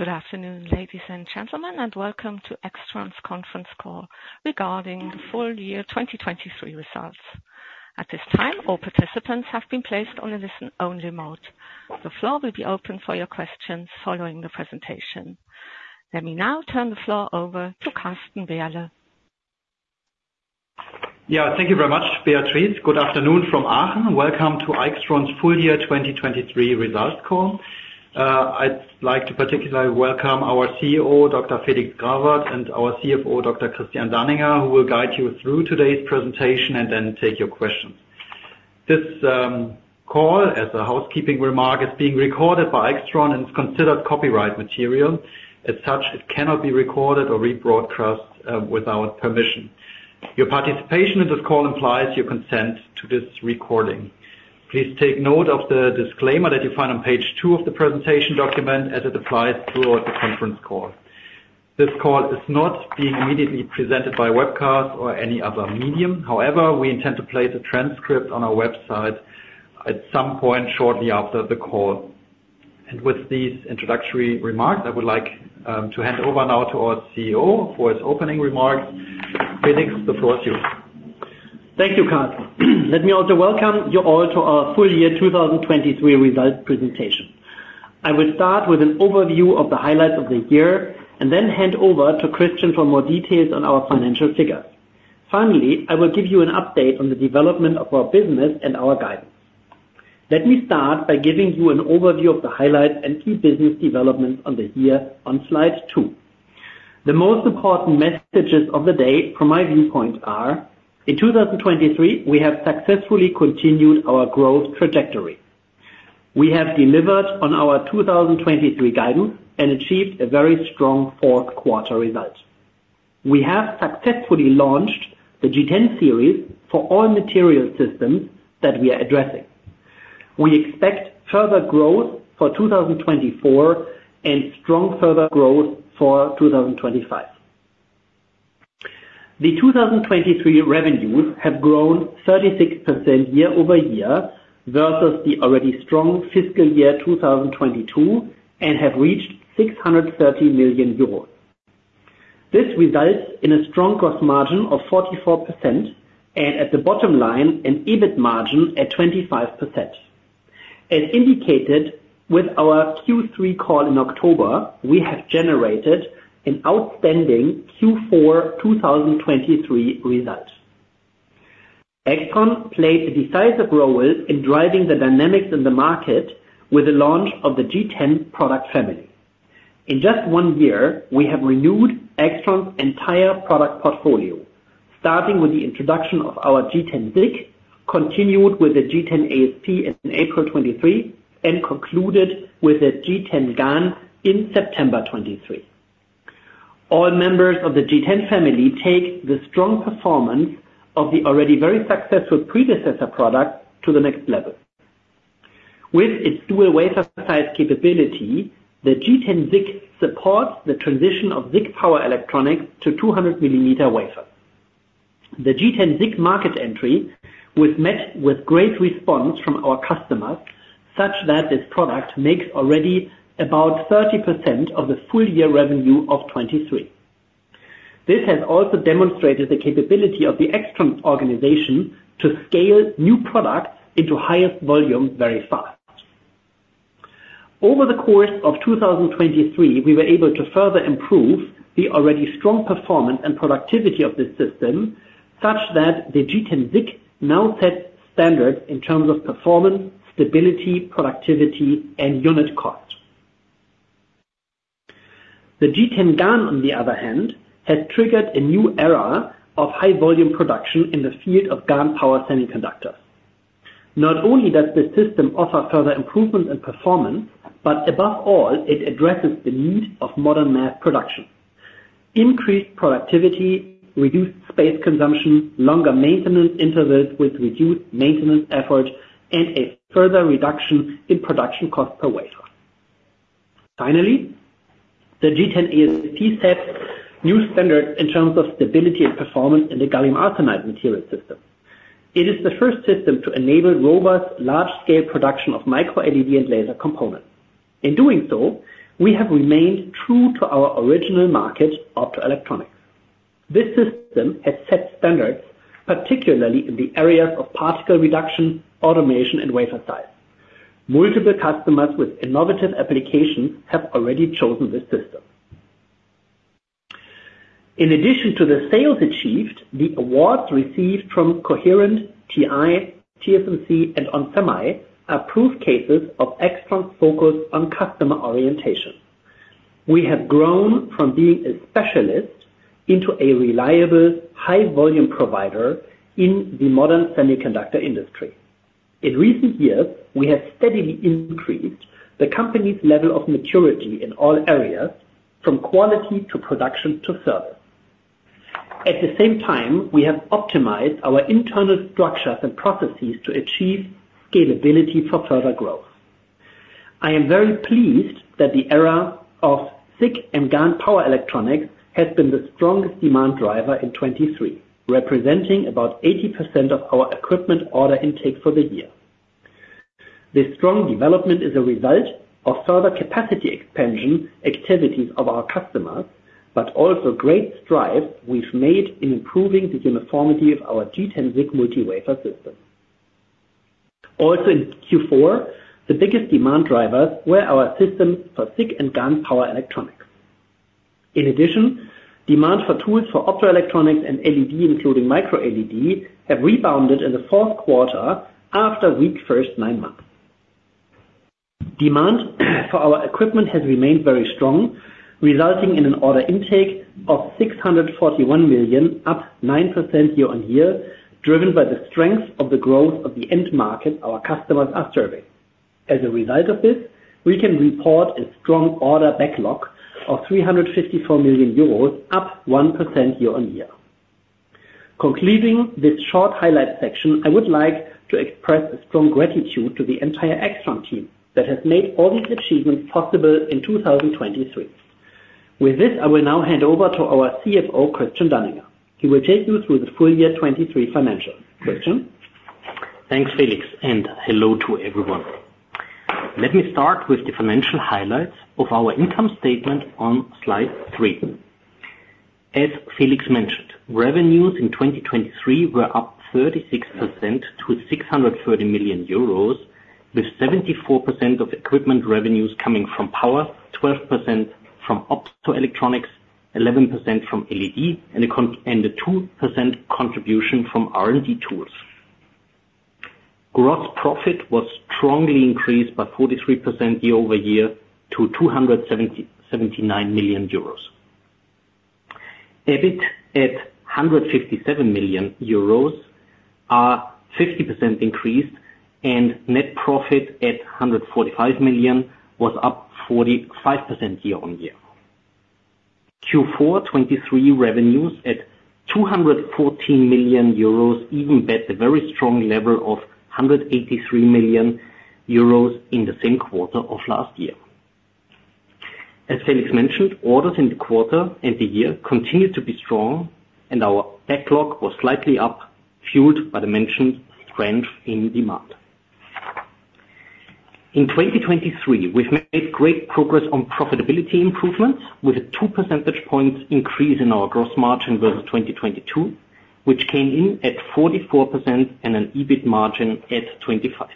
Good afternoon, ladies and gentlemen, and welcome to AIXTRON's conference call regarding the full year 2023 results. At this time, all participants have been placed on a listen-only mode. The floor will be open for your questions following the presentation. Let me now turn the floor over to Carsten Werle. Yeah, thank you very much, Beatrice. Good afternoon from Aachen. Welcome to AIXTRON's full year 2023 results call. I'd like to particularly welcome our CEO, Dr. Felix Grawert, and our CFO, Dr. Christian Danninger, who will guide you through today's presentation and then take your questions. This call, as a housekeeping remark, is being recorded by AIXTRON and is considered copyright material. As such, it cannot be recorded or rebroadcast without permission. Your participation in this call implies your consent to this recording. Please take note of the disclaimer that you find on page 2 of the presentation document as it applies throughout the conference call. This call is not being immediately presented by webcast or any other medium. However, we intend to place a transcript on our website at some point shortly after the call. With these introductory remarks, I would like to hand over now to our CEO for his opening remarks. Felix, the floor is yours. Thank you, Carsten. Let me also welcome you all to our full year 2023 results presentation. I will start with an overview of the highlights of the year and then hand over to Christian for more details on our financial figures. Finally, I will give you an update on the development of our business and our guidance. Let me start by giving you an overview of the highlights and key business developments of the year on slide 2. The most important messages of the day, from my viewpoint, are: In 2023, we have successfully continued our growth trajectory. We have delivered on our 2023 guidance and achieved a very strong fourth quarter result. We have successfully launched the G10 series for all material systems that we are addressing. We expect further growth for 2024 and strong further growth for 2025. The 2023 revenues have grown 36% year-over-year versus the already strong fiscal year 2022 and have reached 630 million euros. This results in a strong gross margin of 44% and, at the bottom line, an EBIT margin at 25%. As indicated with our Q3 call in October, we have generated an outstanding Q4 2023 result. AIXTRON played a decisive role in driving the dynamics in the market with the launch of the G10 product family. In just one year, we have renewed AIXTRON's entire product portfolio, starting with the introduction of our G10-SiC, continued with the G10-AsP in April 2023, and concluded with the G10-GaN in September 2023. All members of the G10 family take the strong performance of the already very successful predecessor product to the next level. With its dual wafer size capability, the G10-SiC supports the transition of SiC power electronics to 200-millimeter wafers. The G10-SiC market entry was met with great response from our customers, such that this product makes already about 30% of the full year revenue of 2023. This has also demonstrated the capability of the AIXTRON organization to scale new products into highest volume very fast. Over the course of 2023, we were able to further improve the already strong performance and productivity of this system, such that the G10-SiC now sets standards in terms of performance, stability, productivity, and unit cost. The G10-GaN, on the other hand, has triggered a new era of high-volume production in the field of GaN power semiconductors. Not only does this system offer further improvements in performance, but above all, it addresses the need of modern mass production: increased productivity, reduced space consumption, longer maintenance intervals with reduced maintenance effort, and a further reduction in production cost per wafer. Finally, the G10 ASP sets new standards in terms of stability and performance in the gallium arsenide material system. It is the first system to enable robust, large-scale production of micro-LED and laser components. In doing so, we have remained true to our original market, optoelectronics. This system has set standards, particularly in the areas of particle reduction, automation, and wafer size. Multiple customers with innovative applications have already chosen this system. In addition to the sales achieved, the awards received from Coherent, TI, TSMC, and onsemi are proof cases of AIXTRON's focus on customer orientation. We have grown from being a specialist into a reliable, high-volume provider in the modern semiconductor industry. In recent years, we have steadily increased the company's level of maturity in all areas, from quality to production to service. At the same time, we have optimized our internal structures and processes to achieve scalability for further growth. I am very pleased that the era of ZIG and GaN power electronics has been the strongest demand driver in 2023, representing about 80% of our equipment order intake for the year. This strong development is a result of further capacity expansion activities of our customers, but also great strides we've made in improving the uniformity of our G10-SiC multi-wafer system. Also in Q4, the biggest demand drivers were our systems for ZIG and GaN power electronics. In addition, demand for tools for optoelectronics and LED, including micro-LED, has rebounded in the fourth quarter after a weak first nine months. Demand for our equipment has remained very strong, resulting in an order intake of 641 million, up 9% year-on-year, driven by the strength of the growth of the end market our customers are serving. As a result of this, we can report a strong order backlog of 354 million euros, up 1% year-on-year. Concluding this short highlight section, I would like to express a strong gratitude to the entire AIXTRON team that has made all these achievements possible in 2023. With this, I will now hand over to our CFO, Christian Danninger. He will take you through the full year 2023 financials. Christian? Thanks, Felix, and hello to everyone. Let me start with the financial highlights of our income statement on slide 3. As Felix mentioned, revenues in 2023 were up 36% to 630 million euros, with 74% of equipment revenues coming from power, 12% from optoelectronics, 11% from LED, and a 2% contribution from R&D tools. Gross profit was strongly increased by 43% year-over-year to 270.79 million euros. EBIT at 157 million euros are 50% increased, and net profit at 145 million was up 45% year-on-year. Q4 2023 revenues at 214 million euros even beat the very strong level of 183 million euros in the same quarter of last year. As Felix mentioned, orders in the quarter and the year continued to be strong, and our backlog was slightly up, fueled by the mentioned strength in demand. In 2023, we've made great progress on profitability improvements, with a 2 percentage point increase in our gross margin versus 2022, which came in at 44% and an EBIT margin at 25%.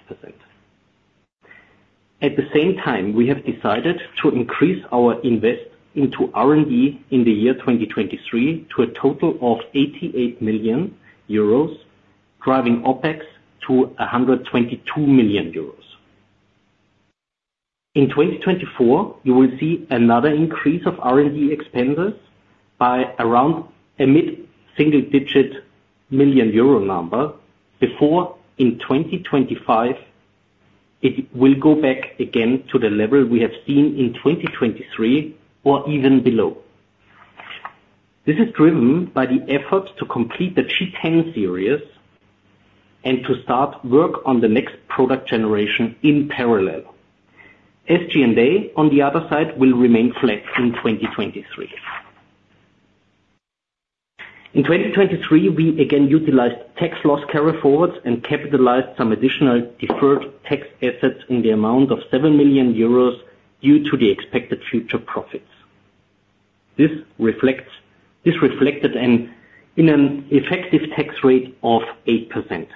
At the same time, we have decided to increase our invest into R&D in the year 2023 to a total of 88 million euros, driving OPEX to 122 million euros. In 2024, you will see another increase of R&D expenses by around a mid-single-digit million EUR number, before in 2025 it will go back again to the level we have seen in 2023 or even below. This is driven by the efforts to complete the G10 series and to start work on the next product generation in parallel. SG&A, on the other side, will remain flat in 2023. In 2023, we again utilized tax loss carryforwards and capitalized some additional deferred tax assets in the amount of 7 million euros due to the expected future profits. This reflects an effective tax rate of 8%.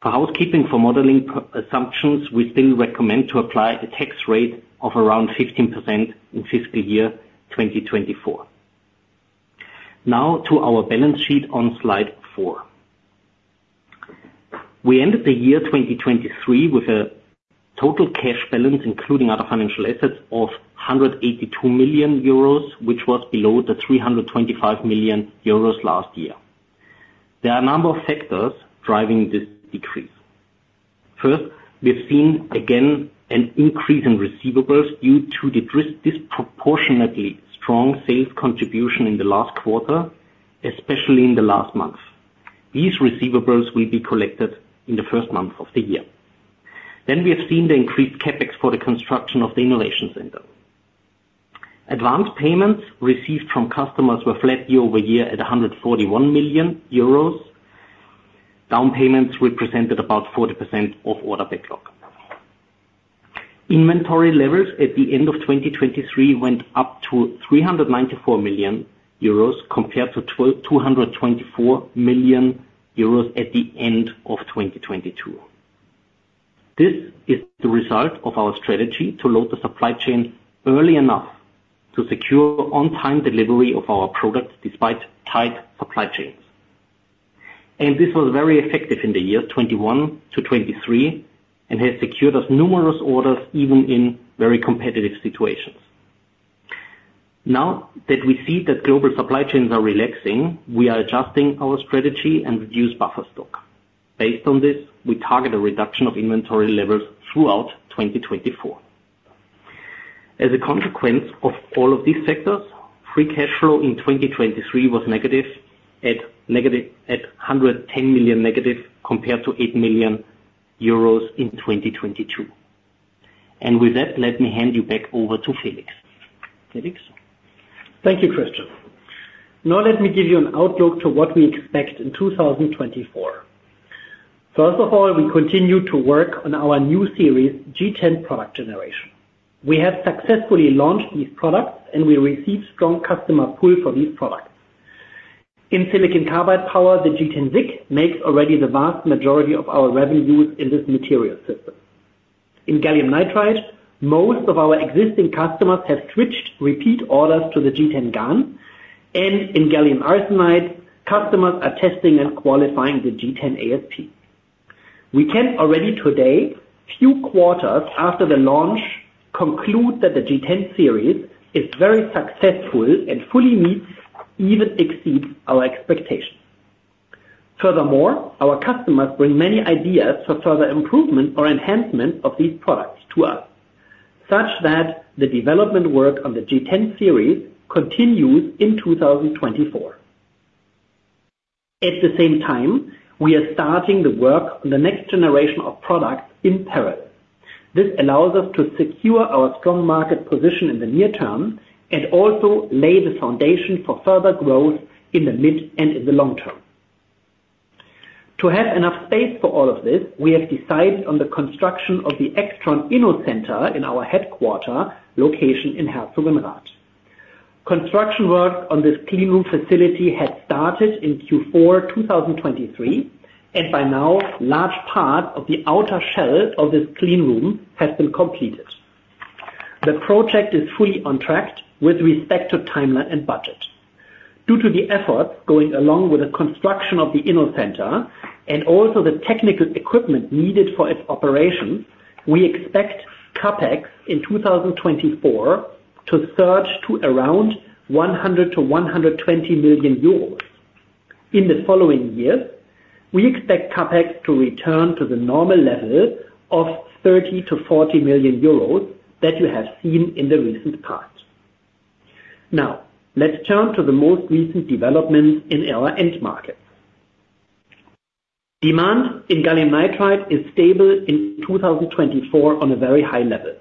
For housekeeping, for modeling purposes, we still recommend to apply a tax rate of around 15% in fiscal year 2024. Now to our balance sheet on slide 4. We ended the year 2023 with a total cash balance, including other financial assets, of 182 million euros, which was below the 325 million euros last year. There are a number of factors driving this decrease. First, we've seen, again, an increase in receivables due to this disproportionately strong sales contribution in the last quarter, especially in the last month. These receivables will be collected in the first month of the year. Then we have seen the increased CapEx for the construction of the innovation center. Advance payments received from customers were flat year-over-year at 141 million euros. Down payments represented about 40% of order backlog. Inventory levels at the end of 2023 went up to 394 million euros compared to 122.24 million euros at the end of 2022. This is the result of our strategy to load the supply chain early enough to secure on-time delivery of our products despite tight supply chains. And this was very effective in the years 2021 to 2023 and has secured us numerous orders even in very competitive situations. Now that we see that global supply chains are relaxing, we are adjusting our strategy and reduce buffer stock. Based on this, we target a reduction of inventory levels throughout 2024. As a consequence of all of these factors, free cash flow in 2023 was negative at -110 million compared to 8 million euros in 2022. And with that, let me hand you back over to Felix. Felix? Thank you, Christian. Now let me give you an outlook to what we expect in 2024. First of all, we continue to work on our new series, G10 product generation. We have successfully launched these products, and we receive strong customer pull for these products. In silicon carbide power, the G10-SiC makes already the vast majority of our revenues in this material system. In gallium nitride, most of our existing customers have switched repeat orders to the G10 GaN, and in gallium arsenide, customers are testing and qualifying the G10 ASP. We can already today, few quarters after the launch, conclude that the G10 series is very successful and fully meets even exceeds our expectations. Furthermore, our customers bring many ideas for further improvement or enhancement of these products to us, such that the development work on the G10 series continues in 2024. At the same time, we are starting the work on the next generation of products in parallel. This allows us to secure our strong market position in the near term and also lay the foundation for further growth in the mid and in the long term. To have enough space for all of this, we have decided on the construction of the AIXTRON Innovation Center in our headquarters location in Herzogenrath. Construction work on this clean room facility had started in Q4 2023, and by now, large parts of the outer shell of this clean room have been completed. The project is fully on track with respect to timeline and budget. Due to the efforts going along with the construction of the Innovation Center and also the technical equipment needed for its operations, we expect CapEx in 2024 to surge to around 100 million-120 million euros. In the following years, we expect CapEx to return to the normal level of 30 million-40 million euros that you have seen in the recent past. Now, let's turn to the most recent developments in our end markets. Demand in gallium nitride is stable in 2024 on a very high level.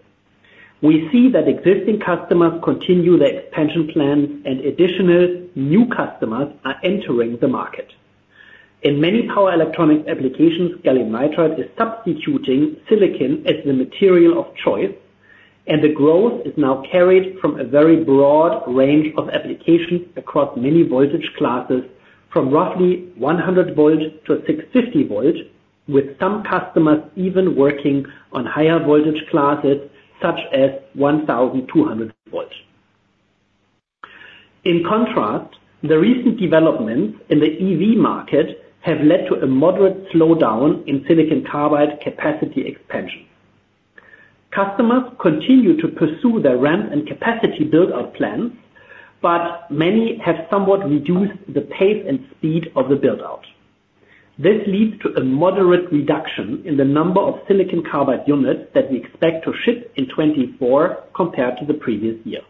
We see that existing customers continue their expansion plans, and additional new customers are entering the market. In many power electronics applications, gallium nitride is substituting silicon as the material of choice, and the growth is now carried from a very broad range of applications across many voltage classes, from roughly 100 volt to 650 volt, with some customers even working on higher voltage classes such as 1,200 volt. In contrast, the recent developments in the EV market have led to a moderate slowdown in silicon carbide capacity expansion. Customers continue to pursue their ramp and capacity buildout plans, but many have somewhat reduced the pace and speed of the buildout. This leads to a moderate reduction in the number of silicon carbide units that we expect to ship in 2024 compared to the previous year.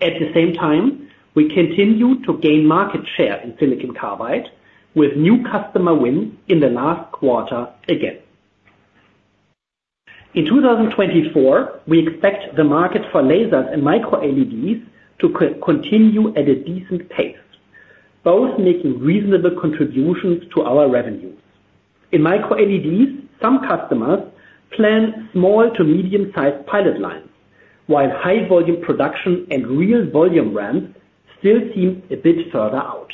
At the same time, we continue to gain market share in silicon carbide with new customer wins in the last quarter again. In 2024, we expect the market for lasers and micro-LEDs to continue at a decent pace, both making reasonable contributions to our revenues. In micro-LEDs, some customers plan small to medium-sized pilot lines, while high-volume production and real volume ramps still seem a bit further out.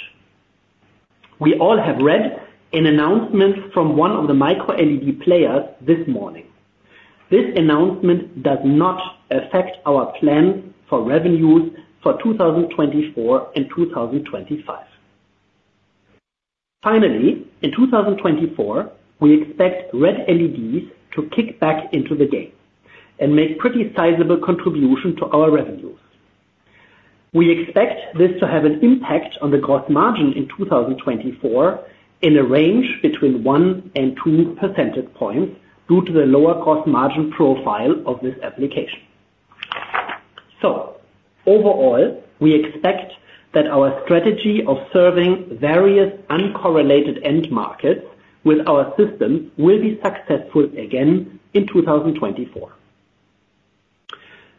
We all have read an announcement from one of the micro-LED players this morning. This announcement does not affect our plans for revenues for 2024 and 2025. Finally, in 2024, we expect red LEDs to kick back into the game and make pretty sizable contribution to our revenues. We expect this to have an impact on the Gross Margin in 2024 in a range between 1 and 2 percentage points due to the lower gross margin profile of this application. So overall, we expect that our strategy of serving various uncorrelated end markets with our system will be successful again in 2024.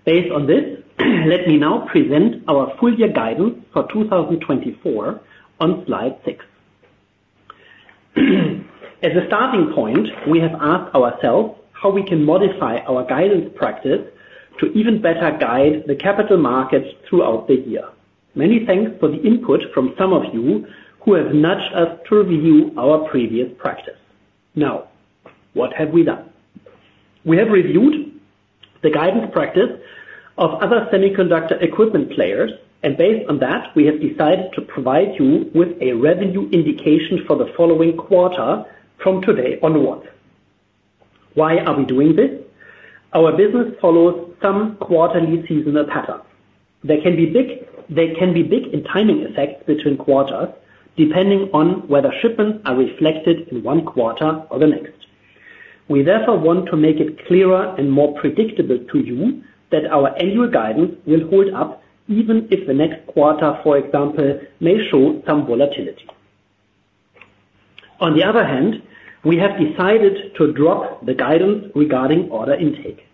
Based on this, let me now present our full year guidance for 2024 on slide 6. As a starting point, we have asked ourselves how we can modify our guidance practice to even better guide the capital markets throughout the year. Many thanks for the input from some of you who have nudged us to review our previous practice. Now, what have we done? We have reviewed the guidance practice of other semiconductor equipment players, and based on that, we have decided to provide you with a revenue indication for the following quarter from today onwards. Why are we doing this? Our business follows some quarterly seasonal patterns. They can be big. They can be big in timing effects between quarters depending on whether shipments are reflected in one quarter or the next. We therefore want to make it clearer and more predictable to you that our annual guidance will hold up even if the next quarter, for example, may show some volatility. On the other hand, we have decided to drop the guidance regarding order intake.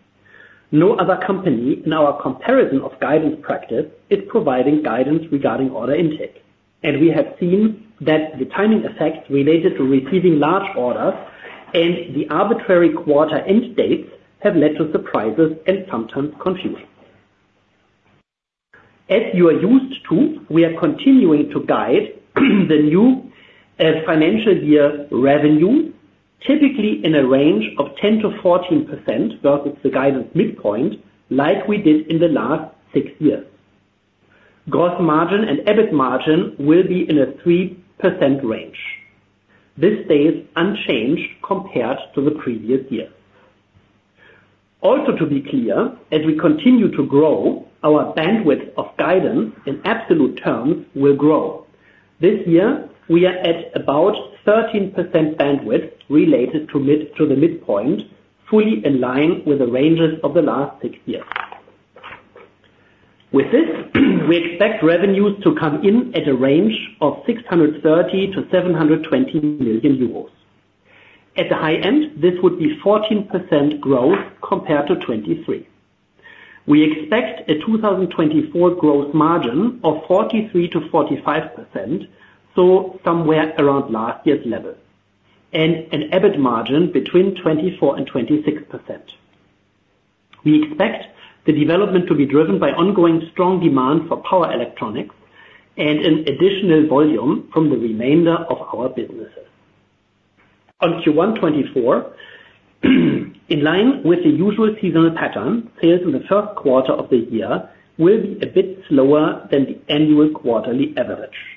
No other company in our comparison of guidance practice is providing guidance regarding order intake, and we have seen that the timing effects related to receiving large orders and the arbitrary quarter end dates have led to surprises and sometimes confusion. As you are used to, we are continuing to guide the new financial year revenue, typically in a range of 10%-14% versus the guidance midpoint like we did in the last six years. Gross margin and EBIT margin will be in a 3% range. This stays unchanged compared to the previous year. Also to be clear, as we continue to grow, our bandwidth of guidance in absolute terms will grow. This year, we are at about 13% bandwidth related to mid to the midpoint, fully in line with the ranges of the last six years. With this, we expect revenues to come in at a range of 630 million-720 million euros. At the high end, this would be 14% growth compared to 2023. We expect a 2024 gross margin of 43%-45%, so somewhere around last year's level, and an EBIT margin between 24%-26%. We expect the development to be driven by ongoing strong demand for power electronics and an additional volume from the remainder of our businesses. On Q1 2024, in line with the usual seasonal pattern, sales in the first quarter of the year will be a bit slower than the annual quarterly average.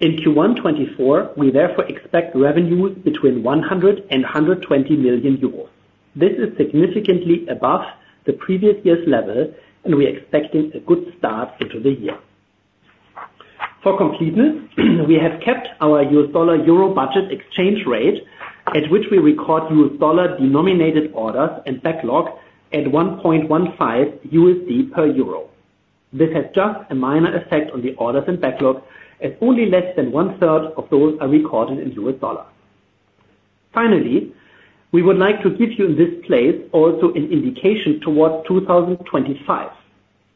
In Q1 2024, we therefore expect revenues between 100 million-120 million euros. This is significantly above the previous year's level, and we are expecting a good start into the year. For completeness, we have kept our U.S. dollar euro budget exchange rate at which we record US dollar denominated orders and backlog at $1.15 per EUR. This has just a minor effect on the orders and backlog, as only less than one-third of those are recorded in U.S. dollar. Finally, we would like to give you in this place also an indication towards 2025.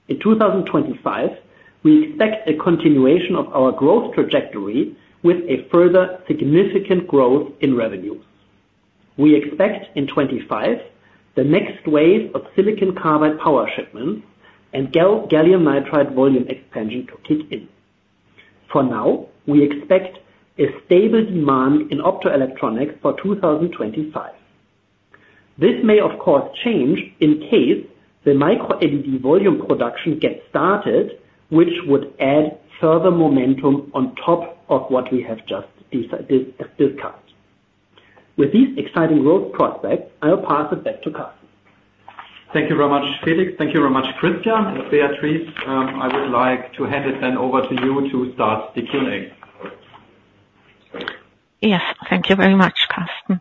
In 2025, we expect a continuation of our growth trajectory with a further significant growth in revenues. We expect in 2025 the next wave of silicon carbide power shipments and gallium nitride volume expansion to kick in. For now, we expect a stable demand in optoelectronics for 2025. This may, of course, change in case the micro-LED volume production gets started, which would add further momentum on top of what we have just discussed. With these exciting growth prospects, I'll pass it back to Carsten. Thank you very much, Felix. Thank you very much, Christian. And Beatrice, I would like to hand it then over to you to start the Q&A. Yes. Thank you very much, Carsten.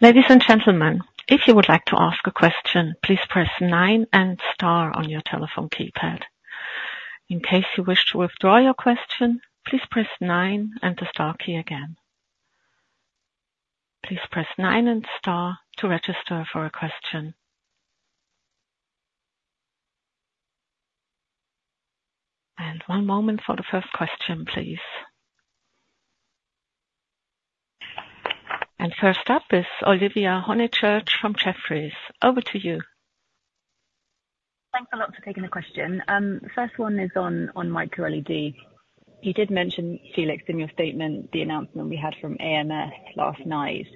Ladies and gentlemen, if you would like to ask a question, please press nine and star on your telephone keypad. In case you wish to withdraw your question, please press nine and the star key again. Please press 9 and star to register for a question. One moment for the first question, please. First up is Olivia Honychurch from Jefferies. Over to you. Thanks a lot for taking the question. The first one is on, on micro-LED. You did mention, Felix, in your statement the announcement we had from AMS last night.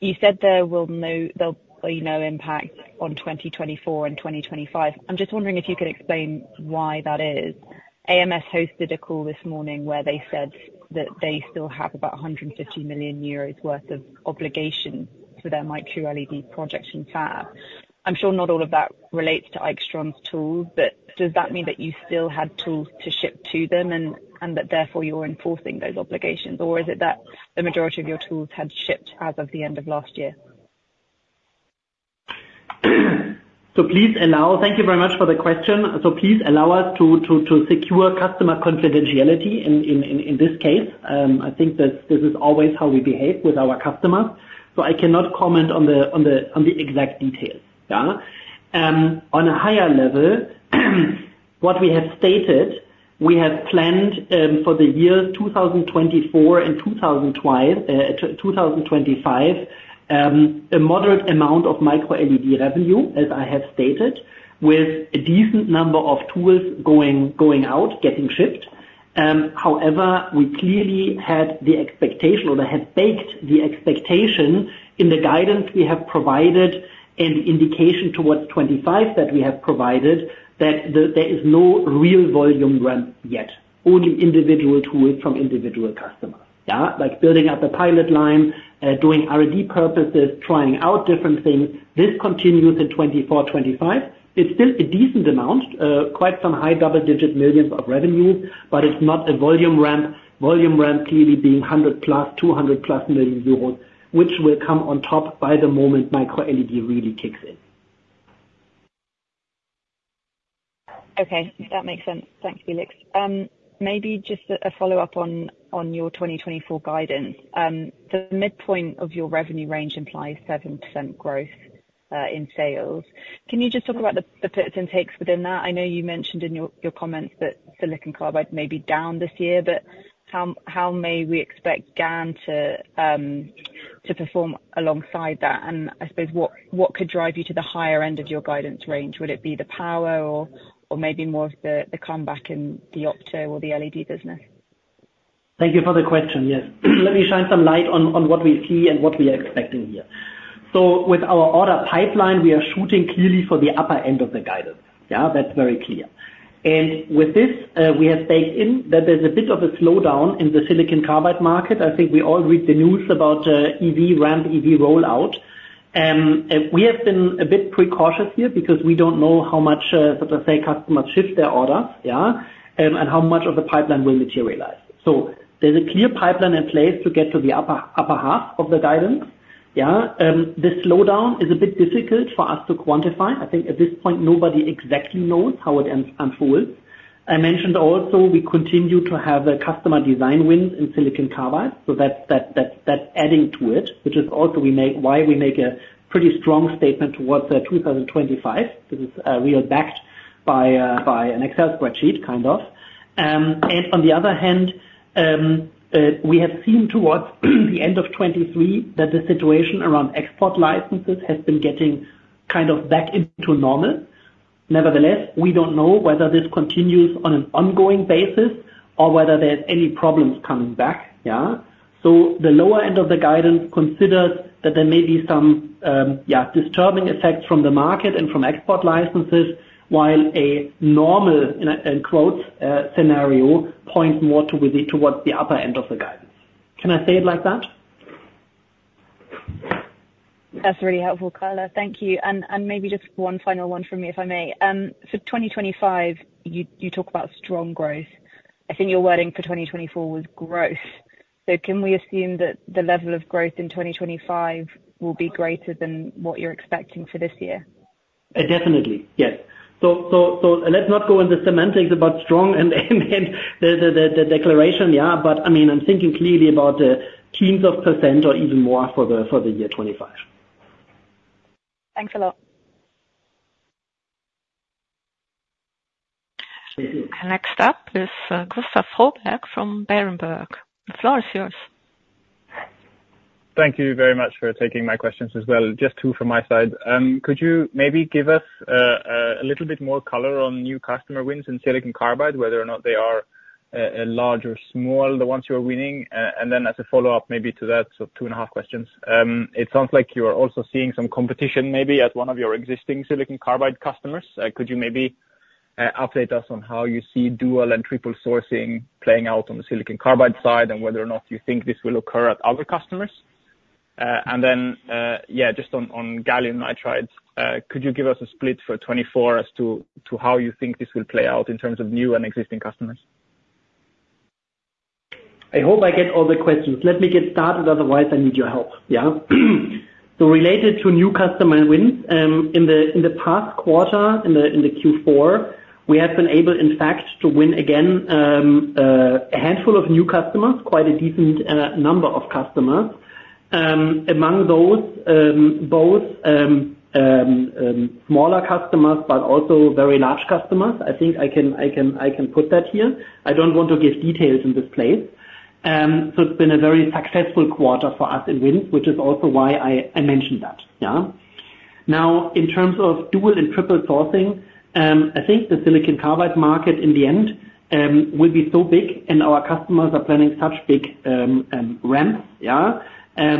You said there will no there'll be no impact on 2024 and 2025. I'm just wondering if you could explain why that is. AMS hosted a call this morning where they said that they still have about 150 million euros worth of obligations for their micro-LED project in fab. I'm sure not all of that relates to AIXTRON's tools, but does that mean that you still had tools to ship to them and, and that therefore you were enforcing those obligations, or is it that the majority of your tools had shipped as of the end of last year? So please allow – thank you very much for the question. So please allow us to secure customer confidentiality in this case. I think that this is always how we behave with our customers, so I cannot comment on the exact details, yeah? On a higher level, what we have stated, we have planned, for the years 2024 and 2025, a moderate amount of micro-LED revenue, as I have stated, with a decent number of tools going out, getting shipped. However, we clearly had the expectation or had baked the expectation in the guidance we have provided and the indication towards 2025 that we have provided that there is no real volume ramp yet, only individual tools from individual customers, yeah? Like building up a pilot line, doing R&D purposes, trying out different things. This continues in 2024, 2025. It's still a decent amount, quite some high double-digit millions of revenues, but it's not a volume ramp, volume ramp clearly being 100+ million euros, EUR 200+ million, which will come on top by the moment micro-LED really kicks in. Okay. That makes sense. Thanks, Felix. Maybe just a follow-up on your 2024 guidance. The midpoint of your revenue range implies 7% growth in sales. Can you just talk about the pits and takes within that? I know you mentioned in your comments that silicon carbide may be down this year, but how may we expect GaN to perform alongside that? And I suppose what could drive you to the higher end of your guidance range? Would it be the power or maybe more of the comeback in the opto or the LED business? Thank you for the question. Yes. Let me shine some light on what we see and what we are expecting here. So with our order pipeline, we are shooting clearly for the upper end of the guidance, yeah? That's very clear. And with this, we have baked in that there's a bit of a slowdown in the silicon carbide market. I think we all read the news about EV ramp, EV rollout. We have been a bit precautious here because we don't know how much, so to say, customers shift their orders, yeah, and how much of the pipeline will materialize. So there's a clear pipeline in place to get to the upper, upper half of the guidance, yeah? This slowdown is a bit difficult for us to quantify. I think at this point, nobody exactly knows how it unfolds. I mentioned also, we continue to have the customer design wins in silicon carbide, so that's adding to it, which is also why we make a pretty strong statement towards 2025. This is really backed by an Excel spreadsheet, kind of. And on the other hand, we have seen towards the end of 2023 that the situation around export licenses has been getting kind of back into normal. Nevertheless, we don't know whether this continues on an ongoing basis or whether there's any problems coming back, yeah? So the lower end of the guidance considers that there may be some disturbing effects from the market and from export licenses, while a normal, in quotes, scenario points more towards the upper end of the guidance. Can I say it like that? That's really helpful color. Thank you. And maybe just one final one from me, if I may. For 2025, you talk about strong growth. I think your wording for 2024 was growth. So can we assume that the level of growth in 2025 will be greater than what you're expecting for this year? Definitely. Yes. So, let's not go into semantics about strong and the declaration, yeah? But I mean, I'm thinking clearly about teens of percent or even more for the year 2025. Thanks a lot. Thank you. Next up is Gustav Froberg from Berenberg. The floor is yours. Thank you very much for taking my questions as well. Just two from my side. Could you maybe give us a little bit more color on new customer wins in silicon carbide, whether or not they are large or small, the ones you are winning? And then as a follow-up maybe to that, so two and a half questions. It sounds like you are also seeing some competition maybe at one of your existing silicon carbide customers. Could you maybe update us on how you see dual and triple sourcing playing out on the silicon carbide side and whether or not you think this will occur at other customers? And then, yeah, just on gallium nitride, could you give us a split for 2024 as to how you think this will play out in terms of new and existing customers? I hope I get all the questions. Let me get started. Otherwise, I need your help, yeah? So related to new customer wins, in the past quarter, in the Q4, we have been able, in fact, to win again, a handful of new customers, quite a decent number of customers. Among those, both smaller customers but also very large customers. I think I can put that here. I don't want to give details in this place. So it's been a very successful quarter for us in wins, which is also why I mentioned that, yeah? Now, in terms of dual and triple sourcing, I think the silicon carbide market in the end will be so big, and our customers are planning such big ramps, yeah,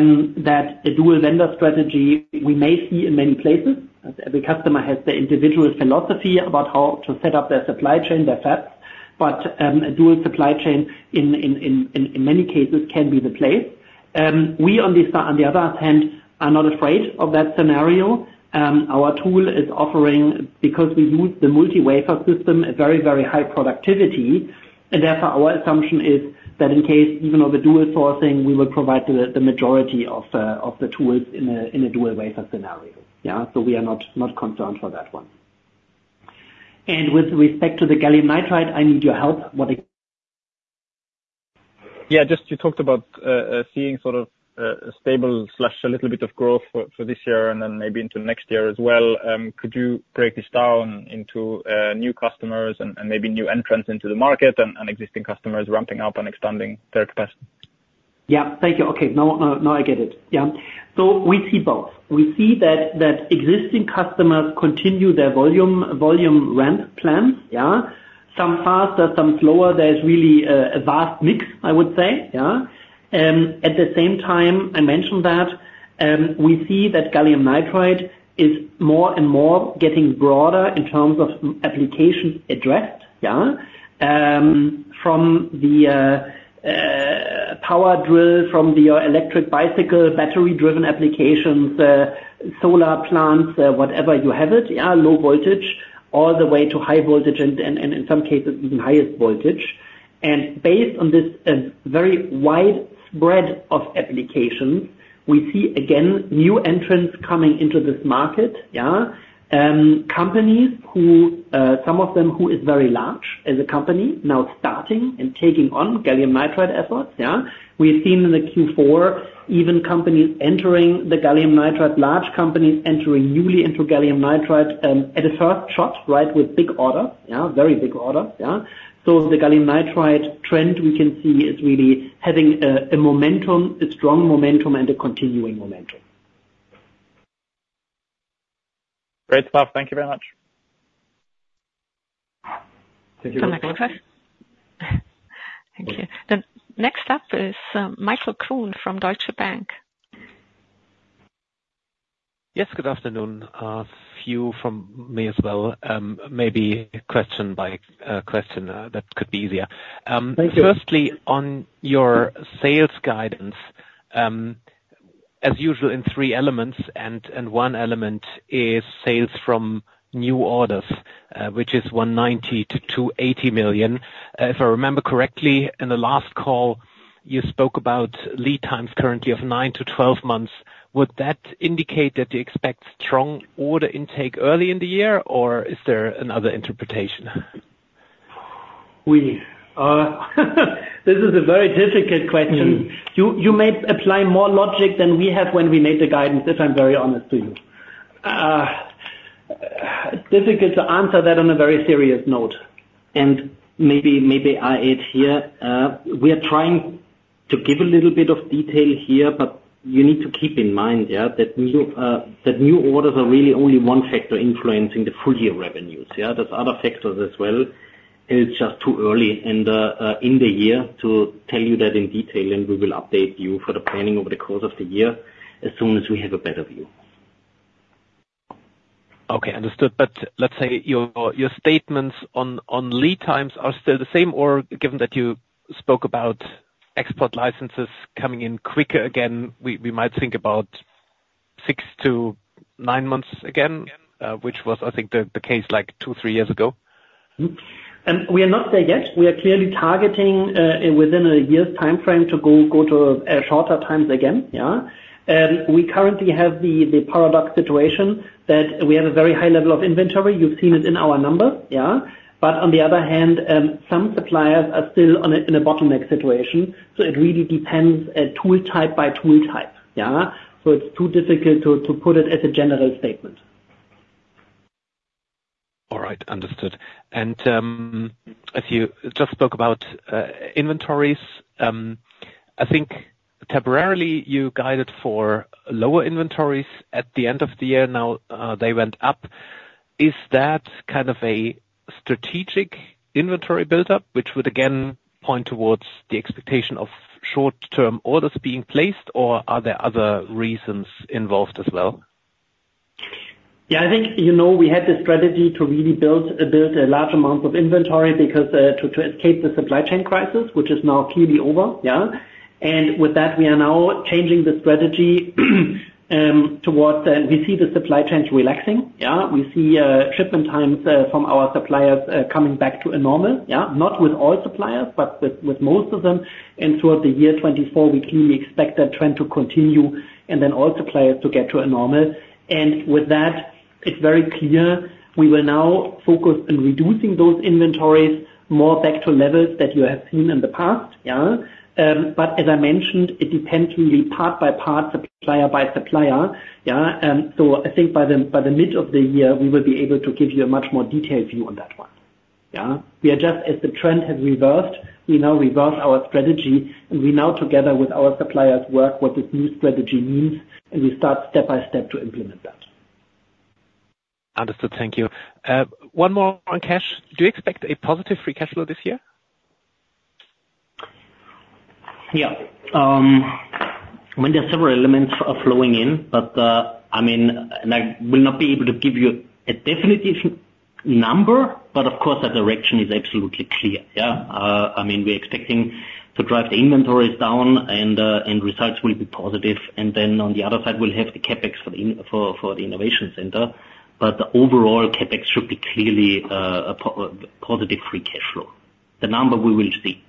that a dual vendor strategy we may see in many places. Every customer has their individual philosophy about how to set up their supply chain, their fabs. But a dual supply chain in many cases can be the place. We, on the other hand, are not afraid of that scenario. Our tool is offering because we use the multi-wafer system a very, very high productivity. And therefore, our assumption is that in case even though the dual sourcing, we will provide the majority of the tools in a dual-wafer scenario, yeah? So we are not concerned for that one. And with respect to the gallium nitride, I need your help. What exactly? Yeah. Just you talked about, seeing sort of, a stable, a little bit of growth for, for this year and then maybe into next year as well. Could you break this down into, new customers and, and maybe new entrants into the market and, and existing customers ramping up and expanding their capacity? Yep. Thank you. Okay. No, no, no, I get it. Yeah. So we see both. We see that, that existing customers continue their volume volume ramp plans, yeah? Some faster, some slower. There's really a vast mix, I would say, yeah? At the same time, I mentioned that we see that gallium nitride is more and more getting broader in terms of applications addressed, yeah, from the power drill, from the electric bicycle, battery-driven applications, solar plants, whatever you have it, yeah, low voltage all the way to high voltage and, and, and in some cases, even highest voltage. And based on this very widespread of applications, we see again new entrants coming into this market, yeah, companies who, some of them who is very large as a company now starting and taking on gallium nitride efforts, yeah? We've seen in the Q4 even companies entering the gallium nitride, large companies entering newly into gallium nitride, at a first shot, right, with big orders, yeah, very big orders, yeah? So the gallium nitride trend we can see is really having a momentum, a strong momentum, and a continuing momentum. Great, stuff. Thank you very much. Thank you. Thank you. Next up is Michael Kuhn from Deutsche Bank. Yes. Good afternoon. A few from me as well. Maybe question by question, that could be easier. Firstly, on your sales guidance, as usual, in three elements, and one element is sales from new orders, which is 190 million-280 million. If I remember correctly, in the last call, you spoke about lead times currently of 9-12 months. Would that indicate that you expect strong order intake early in the year, or is there another interpretation? This is a very difficult question. You may apply more logic than we have when we made the guidance, if I'm very honest with you. Difficult to answer that on a very serious note. And maybe I add here, we are trying to give a little bit of detail here, but you need to keep in mind, yeah, that new orders are really only one factor influencing the full-year revenues, yeah? There's other factors as well. It's just too early in the year to tell you that in detail, and we will update you for the planning over the course of the year as soon as we have a better view. Okay. Understood. But let's say your statements on lead times are still the same, or given that you spoke about export licenses coming in quicker again, we might think about 6-9 months again, which was, I think, the case like 2-3 years ago? We are not there yet. We are clearly targeting, within a year's timeframe to go to shorter times again, yeah? We currently have the paradox situation that we have a very high level of inventory. You've seen it in our numbers, yeah? But on the other hand, some suppliers are still on a bottleneck situation, so it really depends, tool type by tool type, yeah? So it's too difficult to put it as a general statement. All right. Understood. And, as you just spoke about, inventories, I think temporarily, you guided for lower inventories at the end of the year. Now, they went up. Is that kind of a strategic inventory buildup, which would again point towards the expectation of short-term orders being placed, or are there other reasons involved as well? Yeah. I think, you know, we had the strategy to really build, build large amounts of inventory because, to, to escape the supply chain crisis, which is now clearly over, yeah? And with that, we are now changing the strategy, towards, we see the supply chains relaxing, yeah? We see, shipment times, from our suppliers, coming back to a normal, yeah? Not with all suppliers, but with, with most of them. And throughout the year 2024, we clearly expect that trend to continue and then all suppliers to get to a normal. And with that, it's very clear we will now focus on reducing those inventories more back to levels that you have seen in the past, yeah? But as I mentioned, it depends really part by part, supplier by supplier, yeah? So I think by the mid of the year, we will be able to give you a much more detailed view on that one, yeah? We are just as the trend has reversed, we now reverse our strategy, and we now together with our suppliers work what this new strategy means, and we start step by step to implement that. Understood. Thank you. One more on cash. Do you expect a positive free cash flow this year? Yeah. I mean, there's several elements flowing in, but, I mean I will not be able to give you a definitive number, but of course, the direction is absolutely clear, yeah? I mean, we're expecting to drive the inventories down, and results will be positive. And then on the other side, we'll have the CapEx for the InnoCenter. But the overall CapEx should be clearly a positive Free Cash Flow. The number we will see.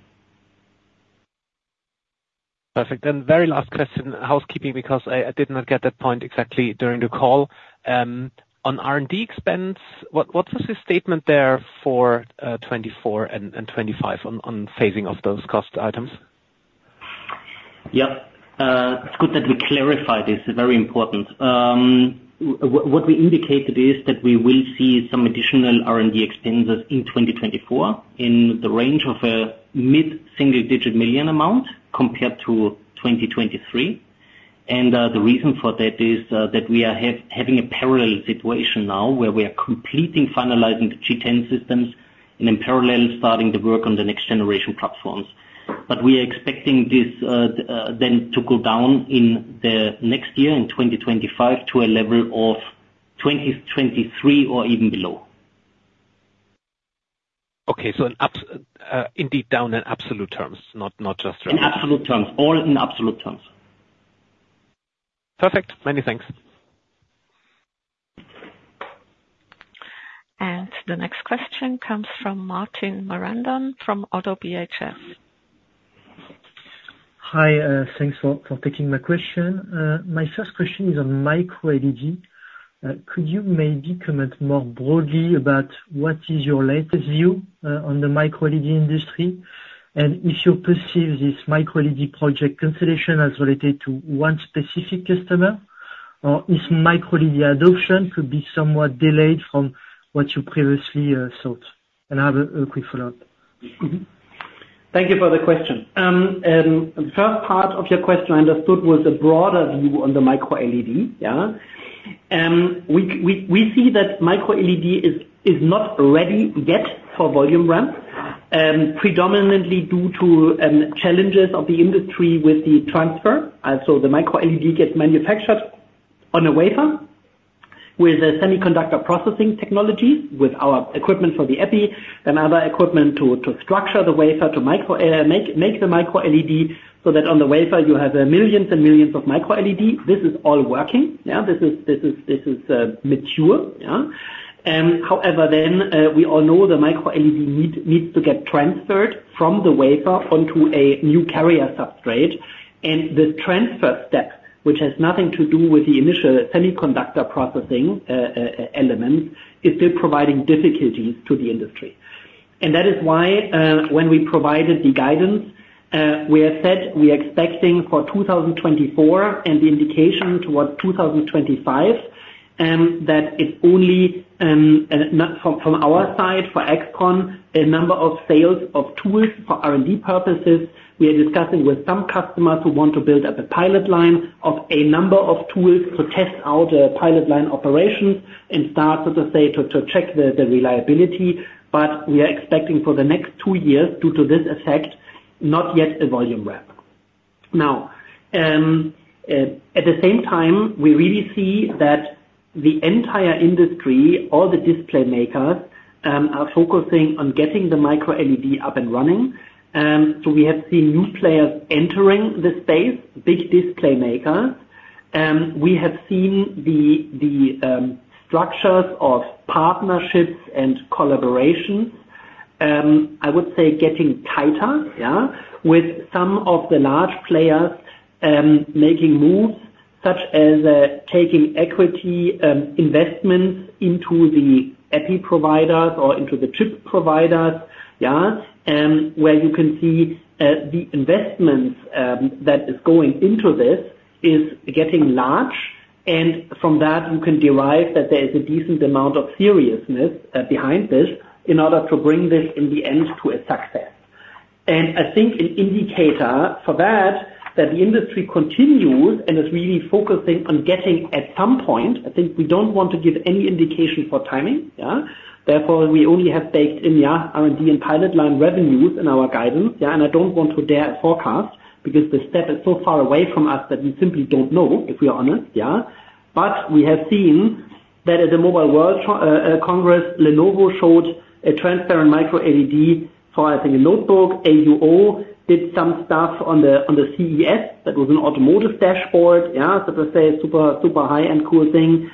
Perfect. Then very last question, housekeeping, because I did not get that point exactly during the call. On R&D expense, what was your statement there for, 2024 and 2025 on phasing off those cost items? Yep. It's good that we clarified this. It's very important. What we indicated is that we will see some additional R&D expenses in 2024 in the range of EUR mid-single-digit million amount compared to 2023. And the reason for that is that we are having a parallel situation now where we are completing finalizing the G10 systems and in parallel starting the work on the next-generation platforms. But we are expecting this then to go down in the next year, in 2025, to a level of 2023 or even below. Okay. So an abs indeed down in absolute terms, not just. In absolute terms. All in absolute terms. Perfect. Many thanks. The next question comes from Martin Marandon from Oddo BHF. Hi. Thanks for taking my question. My first question is on micro-LED. Could you maybe comment more broadly about what is your latest view on the micro-LED industry and if you perceive this micro-LED project cancellation as related to one specific customer, or if micro-LED adoption could be somewhat delayed from what you previously thought? And I have a quick follow-up. Mm-hmm. Thank you for the question. The first part of your question, I understood, was a broader view on the Micro-LED, yeah? We see that Micro-LED is not ready yet for volume ramps, predominantly due to challenges of the industry with the transfer. So the Micro-LED gets manufactured on a wafer with semiconductor processing technologies with our equipment for the EPI and other equipment to structure the wafer to make the Micro-LED so that on the wafer, you have millions and millions of Micro-LED. This is all working, yeah? This is mature, yeah? However, then, we all know the Micro-LED needs to get transferred from the wafer onto a new carrier substrate. And this transfer step, which has nothing to do with the initial semiconductor processing elements, is still providing difficulties to the industry. That is why, when we provided the guidance, we have said we are expecting for 2024 and the indication towards 2025, that it's only not from our side, for AIXTRON, a number of sales of tools for R&D purposes. We are discussing with some customers who want to build up a pilot line of a number of tools to test out pilot line operations and start, so to say, to check the reliability. But we are expecting for the next two years, due to this effect, not yet a volume ramp. Now, at the same time, we really see that the entire industry, all the display makers, are focusing on getting the micro-LED up and running. So we have seen new players entering the space, big display makers. We have seen the structures of partnerships and collaborations, I would say, getting tighter, yeah, with some of the large players, making moves such as taking equity investments into the EPI providers or into the chip providers, yeah, where you can see the investments that is going into this is getting large. And from that, you can derive that there is a decent amount of seriousness behind this in order to bring this in the end to a success. And I think an indicator for that, that the industry continues and is really focusing on getting at some point. I think we don't want to give any indication for timing, yeah? Therefore, we only have baked in, yeah, R&D and pilot line revenues in our guidance, yeah? And I don't want to dare forecast because the step is so far away from us that we simply don't know, if we are honest, yeah? But we have seen that at the Mobile World Congress, Lenovo showed a transparent micro-LED for, I think, a notebook. AUO did some stuff on the CES. That was an automotive dashboard, yeah, so to say, super, super high-end cool thing.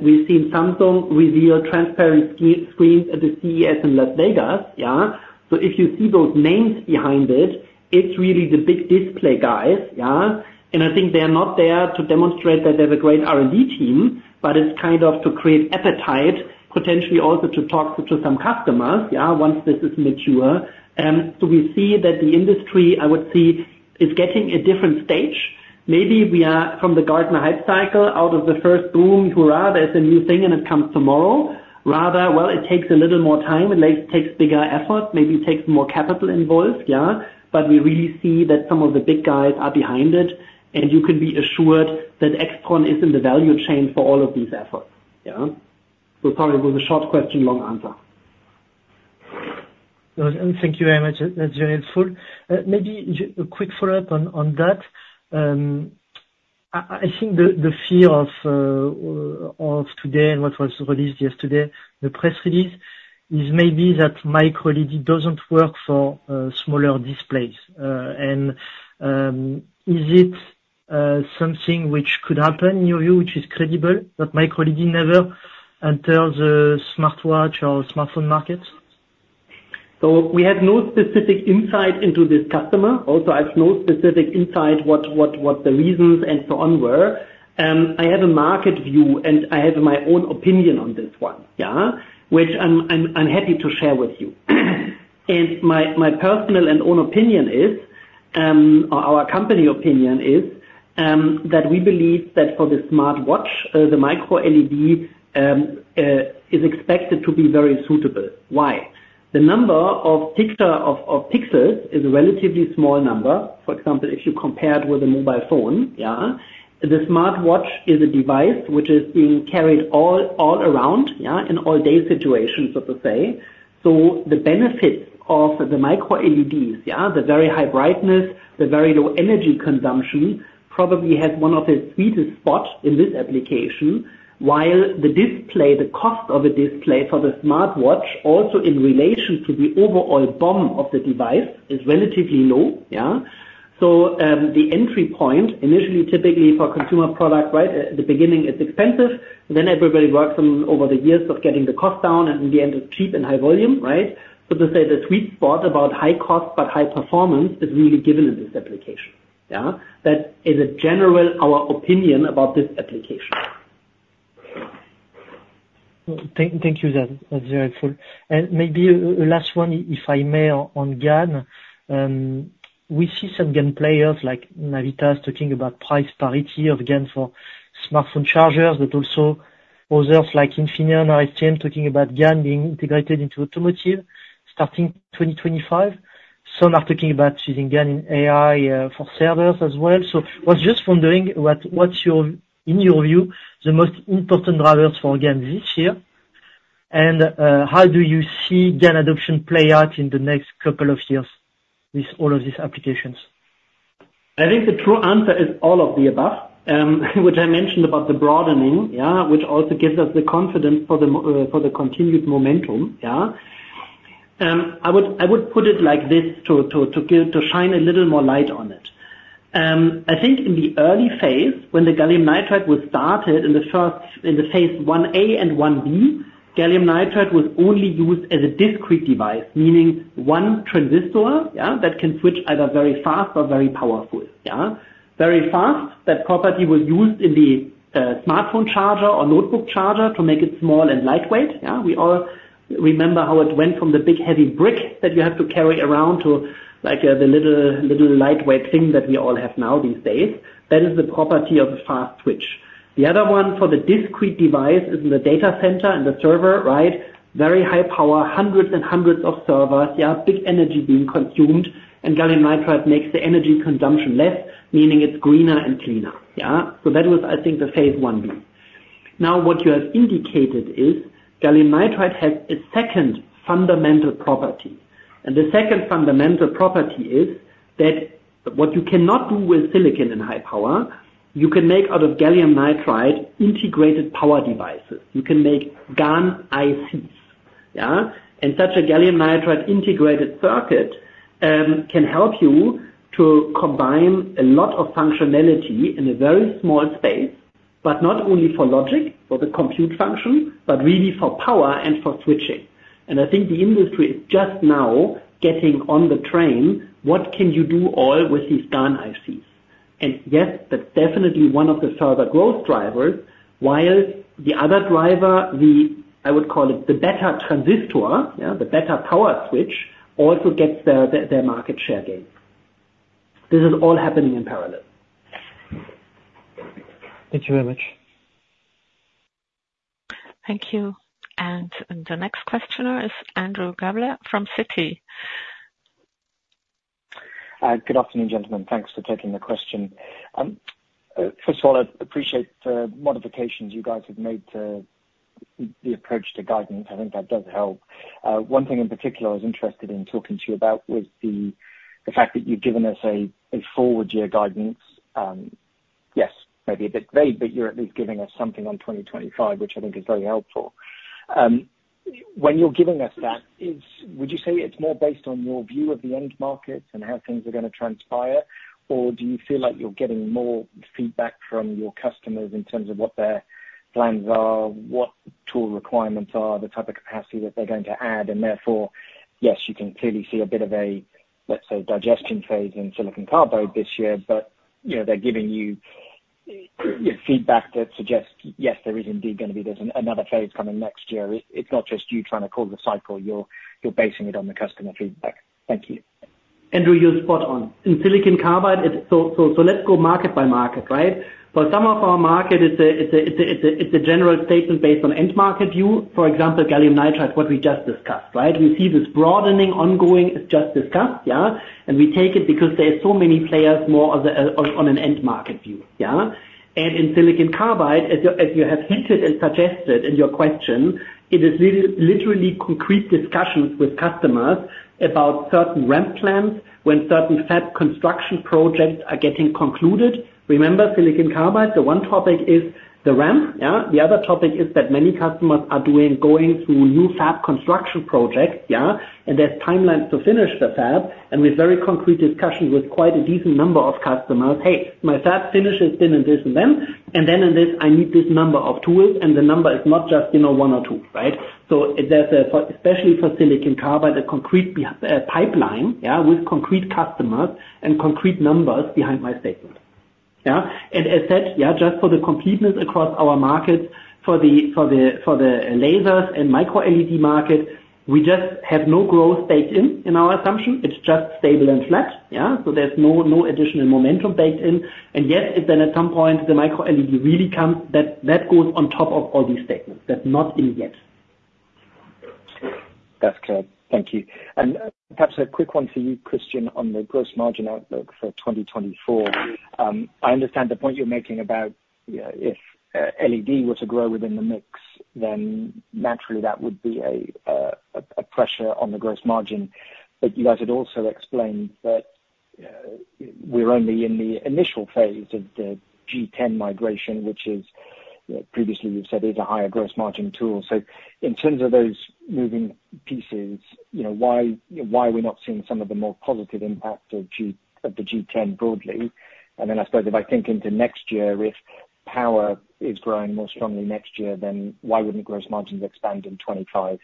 We've seen Samsung reveal transparent ski screens at the CES in Las Vegas, yeah? So if you see those names behind it, it's really the big display guys, yeah? And I think they are not there to demonstrate that they have a great R&D team, but it's kind of to create appetite, potentially also to talk to some customers, yeah, once this is mature. So we see that the industry, I would say, is getting a different stage. Maybe we are from the Gartner Hype Cycle, out of the first boom, hoorah, there's a new thing, and it comes tomorrow, rather, well, it takes a little more time. It also takes bigger effort. Maybe it takes more capital involved, yeah? But we really see that some of the big guys are behind it, and you can be assured that AIXTRON is in the value chain for all of these efforts, yeah? So sorry, it was a short question, long answer. No, thank you very much. That's very helpful. Maybe just a quick follow-up on that. I think the fear of today and what was released yesterday, the press release, is maybe that Micro-LED doesn't work for smaller displays. Is it something which could happen in your view, which is credible, that Micro-LED never enters the smartwatch or smartphone market? So we have no specific insight into this customer. Also, I have no specific insight what the reasons and so on were. I have a market view, and I have my own opinion on this one, yeah, which I'm happy to share with you. And my personal and own opinion is, or our company opinion is, that we believe that for the smartwatch, the Micro-LED, is expected to be very suitable. Why? The number of pixels is a relatively small number. For example, if you compare it with a mobile phone, yeah, the smartwatch is a device which is being carried all around, yeah, in all-day situations, so to say. So the benefits of the micro-LEDs, yeah, the very high brightness, the very low energy consumption, probably has one of its sweetest spots in this application, while the display, the cost of a display for the smartwatch, also in relation to the overall BOM of the device, is relatively low, yeah? So, the entry point initially, typically for consumer product, right, at the beginning, it's expensive. Then everybody works on over the years of getting the cost down, and in the end, it's cheap and high volume, right? So to say, the sweet spot about high cost but high performance is really given in this application, yeah? That is our general opinion about this application. Thank you, then. That's very helpful. And maybe a last one, if I may, on GaN. We see some GaN players like Navitas talking about price parity of GaN for smartphone chargers, but also others like Infineon or STM talking about GaN being integrated into automotive starting 2025. Some are talking about using GaN in AI, for servers as well. So I was just wondering what's your view, the most important drivers for GaN this year, and how do you see GaN adoption play out in the next couple of years with all of these applications? I think the true answer is all of the above, which I mentioned about the broadening, yeah, which also gives us the confidence for the continued momentum, yeah? I would put it like this, to shine a little more light on it. I think in the early phase, when the gallium nitride was started in the first in the phase 1A and 1B, gallium nitride was only used as a discrete device, meaning one transistor, yeah, that can switch either very fast or very powerful, yeah? Very fast, that property was used in the smartphone charger or notebook charger to make it small and lightweight, yeah? We all remember how it went from the big heavy brick that you have to carry around to, like, the little, little lightweight thing that we all have now these days. That is the property of a fast switch. The other one for the discrete device is in the data center, in the server, right? Very high power, hundreds and hundreds of servers, yeah, big energy being consumed, and gallium nitride makes the energy consumption less, meaning it's greener and cleaner, yeah? So that was, I think, the phase 1B. Now, what you have indicated is gallium nitride has a second fundamental property. And the second fundamental property is that what you cannot do with silicon in high power, you can make out of gallium nitride integrated power devices. You can make GaN ICs, yeah? And such a gallium nitride integrated circuit can help you to combine a lot of functionality in a very small space, but not only for logic, for the compute function, but really for power and for switching. I think the industry is just now getting on the train. What can you do all with these GaN ICs? Yes, that's definitely one of the further growth drivers, while the other driver, the I would call it the better transistor, yeah, the better power switch, also gets their market share gain. This is all happening in parallel. Thank you very much. Thank you. The next questioner is Andrew Gardiner from Citi. Good afternoon, gentlemen. Thanks for taking the question. First of all, I appreciate modifications you guys have made, the approach to guidance. I think that does help. One thing in particular I was interested in talking to you about was the fact that you've given us a forward-year guidance. Yes, maybe a bit vague, but you're at least giving us something on 2025, which I think is very helpful. When you're giving us that, is would you say it's more based on your view of the end market and how things are going to transpire, or do you feel like you're getting more feedback from your customers in terms of what their plans are, what tool requirements are, the type of capacity that they're going to add? Therefore, yes, you can clearly see a bit of a, let's say, digestion phase in silicon carbide this year, but, you know, they're giving you, you know, feedback that suggests, yes, there is indeed going to be another phase coming next year. It's not just you trying to call the cycle. You're basing it on the customer feedback. Thank you. Andrew, you're spot on. In silicon carbide, so let's go market by market, right? For some of our market, it's a general statement based on end market view. For example, gallium nitride, what we just discussed, right? We see this broadening ongoing. It's just discussed, yeah? And we take it because there are so many players more on an end market view, yeah? And in silicon carbide, as you have hinted and suggested in your question, it is literally concrete discussions with customers about certain ramp plans when certain fab construction projects are getting concluded. Remember silicon carbide? The one topic is the ramp, yeah? The other topic is that many customers are going through new fab construction projects, yeah? And there's timelines to finish the fab. And we have very concrete discussions with quite a decent number of customers, "Hey, my fab finishes then and this and then. And then in this, I need this number of tools. And the number is not just, you know, one or two," right? So there's a, for especially for silicon carbide, a concrete pipeline, yeah, with concrete customers and concrete numbers behind my statement, yeah? And as said, yeah, just for the completeness across our markets, for the lasers and micro-LED market, we just have no growth baked in in our assumption. It's just stable and flat, yeah? So there's no, no additional momentum baked in. And yes, if then at some point the micro-LED really comes, that goes on top of all these statements. That's not in yet. That's correct. Thank you. And perhaps a quick one for you, Christian, on the gross margin outlook for 2024. I understand the point you're making about, you know, if LED were to grow within the mix, then naturally, that would be a pressure on the gross margin. But you guys had also explained that, we're only in the initial phase of the G10 migration, which is, you know, previously, you've said is a higher gross margin tool. So in terms of those moving pieces, you know, why are we not seeing some of the more positive impacts of the G10 broadly? And then I suppose if I think into next year, if power is growing more strongly next year, then why wouldn't gross margins expand in 2025?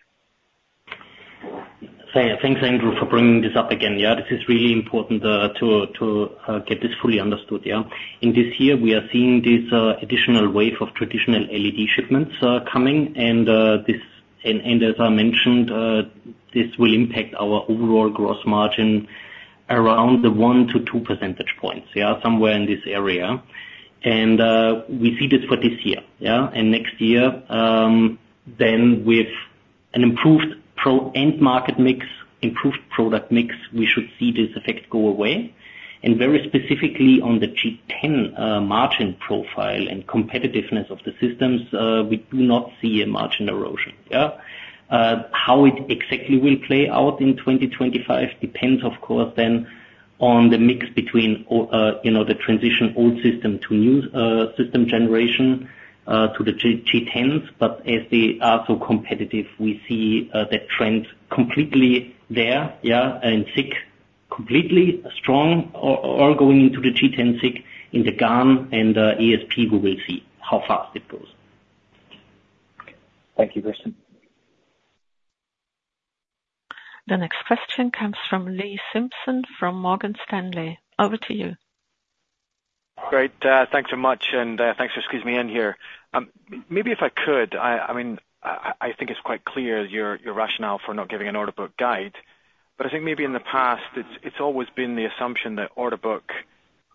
Thanks, Andrew, for bringing this up again, yeah? This is really important to get this fully understood, yeah? In this year, we are seeing this additional wave of traditional LED shipments coming. And as I mentioned, this will impact our overall gross margin around the 1-2 percentage points, yeah, somewhere in this area. And we see this for this year, yeah? And next year, then with an improved pro end market mix, improved product mix, we should see this effect go away. And very specifically on the G10, margin profile and competitiveness of the systems, we do not see a margin erosion, yeah? How it exactly will play out in 2025 depends, of course, then on the mix between you know, the transition old system to new system generation to the G10s. But as they are so competitive, we see that trend completely there, yeah, in SiC, completely strong, or going into the G10 SiC in the GaN and AsP, we will see how fast it goes. Thank you, Christian. The next question comes from Lee Simpson from Morgan Stanley. Over to you. Great. Thanks so much. And thanks for squeezing me in here. Maybe if I could, I mean, I think it's quite clear your rationale for not giving an order book guide. But I think maybe in the past, it's always been the assumption that order book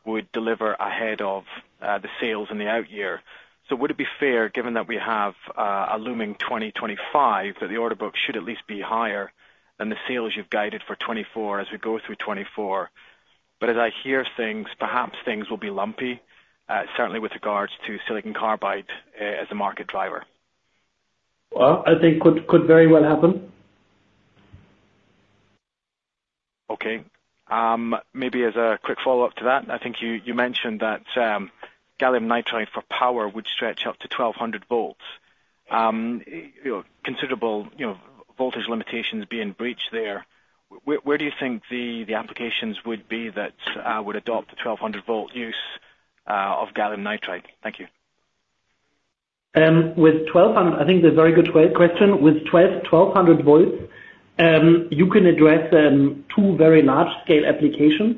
would deliver ahead of the sales in the out year. So would it be fair, given that we have a looming 2025, that the order book should at least be higher than the sales you've guided for 2024 as we go through 2024? But as I hear things, perhaps things will be lumpy, certainly with regards to silicon carbide, as a market driver. Well, I think could very well happen. Okay. Maybe as a quick follow-up to that, I think you, you mentioned that, gallium nitride for power would stretch up to 1,200 volts. You know, considerable, you know, voltage limitations being breached there. Where, where do you think the, the applications would be that, would adopt the 1,200-volt use, of gallium nitride? Thank you. With 1,200, I think that's a very good question. With 1,200 volts, you can address two very large-scale applications.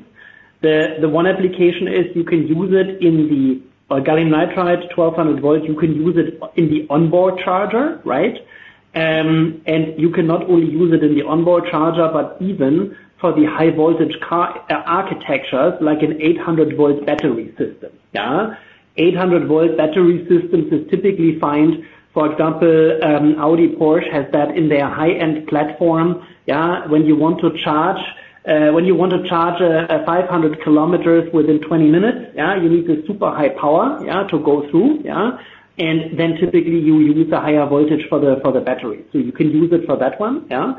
The one application is you can use it in the or gallium nitride 1,200 volts, you can use it in the onboard charger, right? And you can not only use it in the onboard charger but even for the high-voltage car architectures, like an 800-volt battery system, yeah? 800-volt battery systems is typically fined. For example, Audi/Porsche has that in their high-end platform, yeah, when you want to charge when you want to charge 500 km within 20 minutes, yeah, you need the super high power, yeah, to go through, yeah? And then typically, you use a higher voltage for the for the battery. So you can use it for that one, yeah?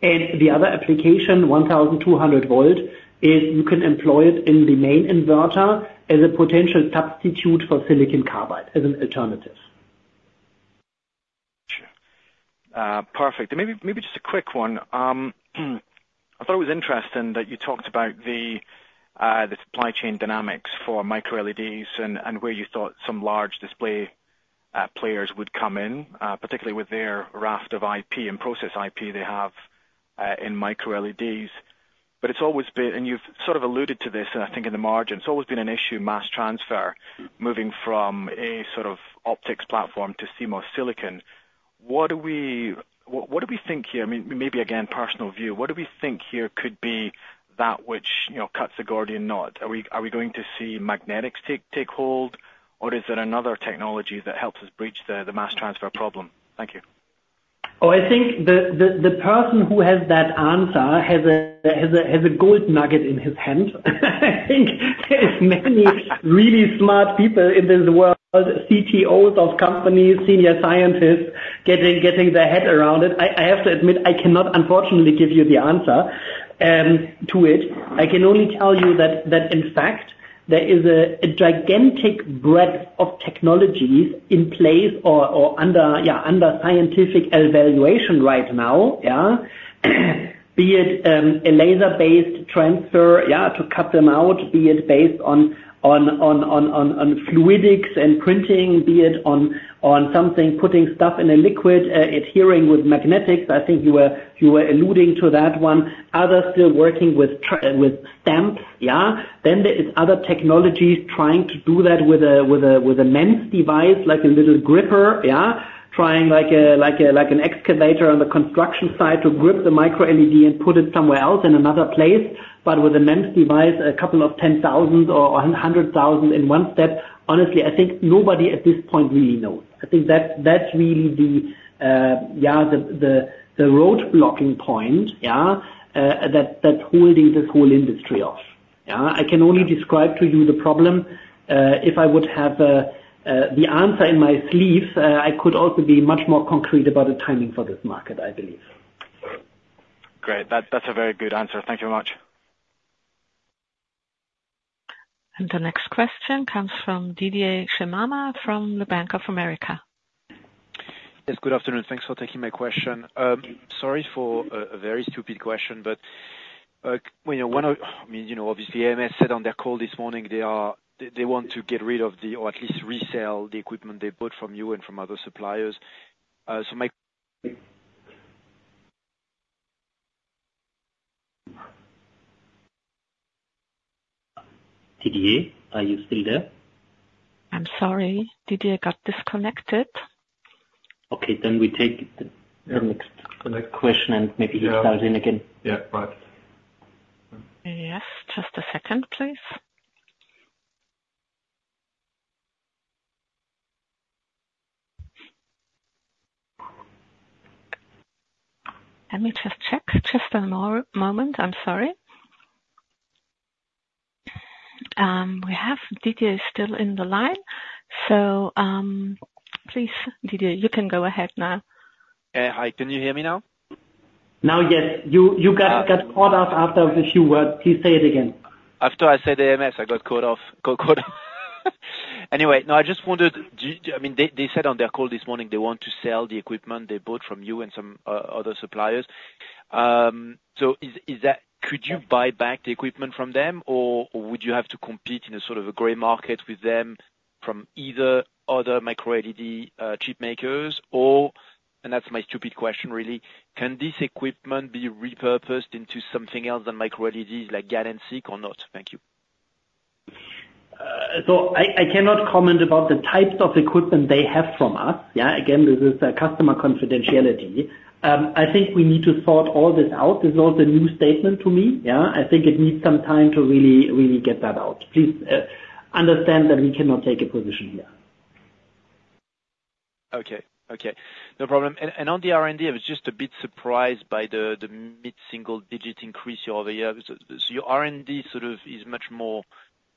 The other application, 1,200 volts, is you can employ it in the main inverter as a potential substitute for silicon carbide as an alternative. Sure. Perfect. Maybe just a quick one. I thought it was interesting that you talked about the supply chain dynamics for micro-LEDs and where you thought some large display players would come in, particularly with their raft of IP and process IP they have in micro-LEDs. But it's always been and you've sort of alluded to this, I think, in the margin. It's always been an issue, mass transfer, moving from a sort of optics platform to CMOS silicon. What do we think here? I mean, maybe, again, personal view. What do we think here could be that which, you know, cuts the Gordian knot? Are we going to see magnetics take hold, or is there another technology that helps us breach the mass transfer problem? Thank you. Oh, I think the person who has that answer has a gold nugget in his hand. I think there are many really smart people in this world, CTOs of companies, senior scientists getting their head around it. I have to admit, I cannot, unfortunately, give you the answer to it. I can only tell you that in fact there is a gigantic breadth of technologies in place or under scientific evaluation right now, yeah? Be it a laser-based transfer, yeah, to cut them out, be it based on fluidics and printing, be it on something, putting stuff in a liquid, adhering with magnetics. I think you were alluding to that one. Others still working with transfer stamps, yeah? Then there are other technologies trying to do that with a MEMS device, like a little gripper, yeah, trying, like, an excavator on the construction site to grip the micro-LED and put it somewhere else in another place. But with a MEMS device, a couple of 10,000 or 100,000 in one step, honestly, I think nobody at this point really knows. I think that's really the roadblocking point, yeah, that's holding this whole industry off, yeah? I can only describe to you the problem. If I would have the answer in my sleeves, I could also be much more concrete about the timing for this market, I believe. Great. That's, that's a very good answer. Thank you very much. The next question comes from Didier Scemama from the Bank of America. Yes. Good afternoon. Thanks for taking my question. Sorry for a very stupid question, but, you know, I mean, you know, obviously, AMS said on their call this morning they are, they want to get rid of the, or at least resell the equipment they bought from you and from other suppliers. So my. Didier, are you still there? I'm sorry. Did you get disconnected? Okay. Then we take the next question, and maybe he'll start in again. Yeah. Yeah. Right. Yes. Just a second, please. Let me just check. Just a moment. I'm sorry. We have Didier still in the line. So, please, Didier, you can go ahead now. Hi. Can you hear me now? Now, yes. You got. Yeah. Got cut off after a few words. Please say it again. After I said AMS, I got caught off. Anyway, no, I just wondered, do you I mean, they, they said on their call this morning they want to sell the equipment they bought from you and some other suppliers. So is that could you buy back the equipment from them, or would you have to compete in a sort of a gray market with them from either other Micro-LED chip makers? Or, and that's my stupid question, really. Can this equipment be repurposed into something else than Micro-LEDs, like GaN and SiC, or not? Thank you. I cannot comment about the types of equipment they have from us, yeah? Again, this is customer confidentiality. I think we need to sort all this out. This is also a new statement to me, yeah? I think it needs some time to really, really get that out. Please, understand that we cannot take a position here. Okay. Okay. No problem. And on the R&D, I was just a bit surprised by the mid-single-digit increase you're over here. So your R&D sort of is much more,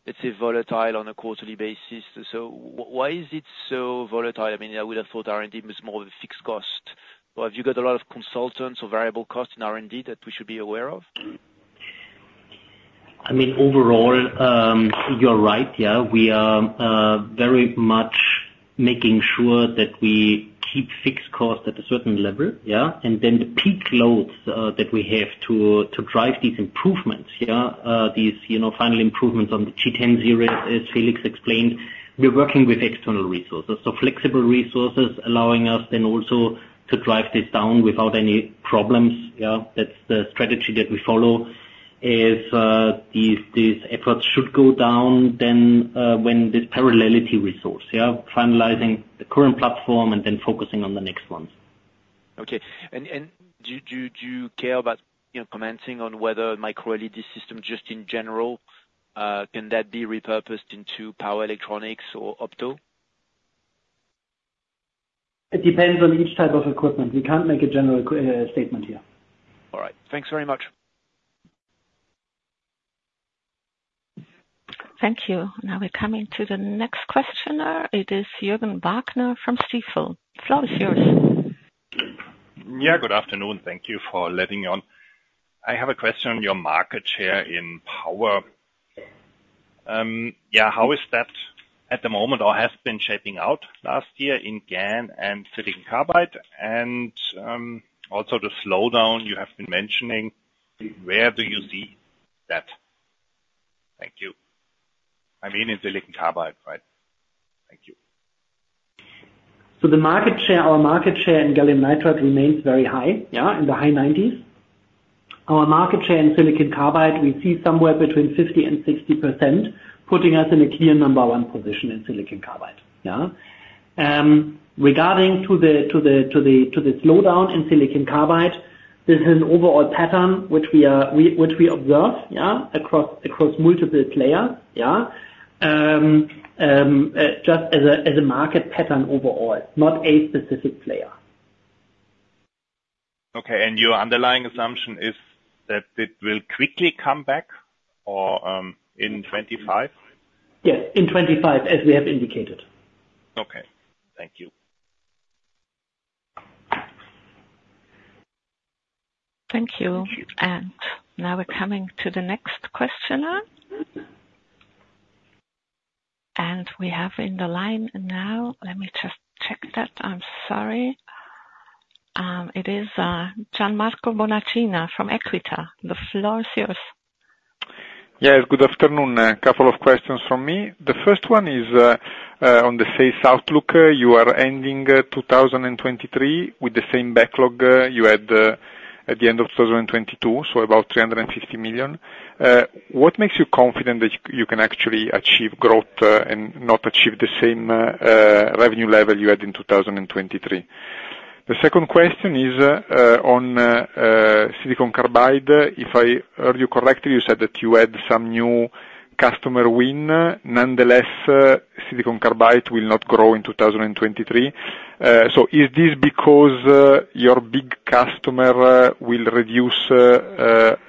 let's say, volatile on a quarterly basis. So why is it so volatile? I mean, I would have thought R&D was more of a fixed cost. Or have you got a lot of consultants or variable cost in R&D that we should be aware of? I mean, overall, you're right, yeah? We are very much making sure that we keep fixed costs at a certain level, yeah? And then the peak loads that we have to drive these improvements, yeah, these, you know, final improvements on the G10 series, as Felix explained, we're working with external resources. So flexible resources allowing us then also to drive this down without any problems, yeah? That's the strategy that we follow. If these efforts should go down then, when this parallelity resource, yeah, finalizing the current platform and then focusing on the next ones. Okay. And do you care about, you know, commenting on whether micro-LED system just in general, can that be repurposed into power electronics or opto? It depends on each type of equipment. We can't make a general statement here. All right. Thanks very much. Thank you. Now, we're coming to the next questioner. It is Jürgen Wagner from Stifel. Floor, it's yours. Yeah. Good afternoon. Thank you for letting me on. I have a question on your market share in power. Yeah, how is that at the moment or has been shaping out last year in GaN and silicon carbide? And, also the slowdown you have been mentioning, where do you see that? Thank you. I mean, in silicon carbide, right? Thank you. So the market share, our market share in gallium nitride, remains very high, yeah, in the high 90s. Our market share in silicon carbide, we see somewhere between 50%-60%, putting us in a clear number one position in silicon carbide, yeah? Regarding the slowdown in silicon carbide, this is an overall pattern which we observe, yeah, across multiple players, yeah? Just as a market pattern overall, not a specific player. Okay. And your underlying assumption is that it will quickly come back or, in 2025? Yes. In 2025, as we have indicated. Okay. Thank you. Thank you. And now, we're coming to the next questionnaire. And we have in the line now, let me just check that. I'm sorry. It is, Gianmarco Bonacina from Equita. The floor is yours. Yeah. Good afternoon. A couple of questions from me. The first one is, on the SiC outlook, you are ending 2023 with the same backlog you had, at the end of 2022, so about 350 million. What makes you confident that you can actually achieve growth, and not achieve the same revenue level you had in 2023? The second question is, on silicon carbide. If I heard you correctly, you said that you had some new customer win. Nonetheless, silicon carbide will not grow in 2023. So is this because your big customer will reduce the,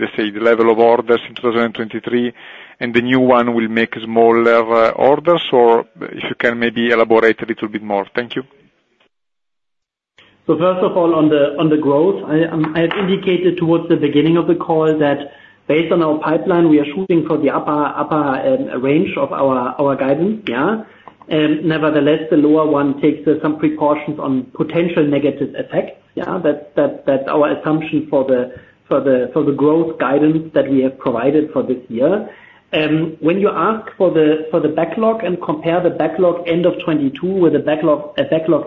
let's say, the level of orders in 2023, and the new one will make smaller orders? Or if you can maybe elaborate a little bit more. Thank you. So first of all, on the growth, I had indicated towards the beginning of the call that based on our pipeline, we are shooting for the upper range of our guidance, yeah? Nevertheless, the lower one takes some precautions on potential negative effects, yeah? That's our assumption for the growth guidance that we have provided for this year. When you ask for the backlog and compare the backlog end of 2022 with the backlog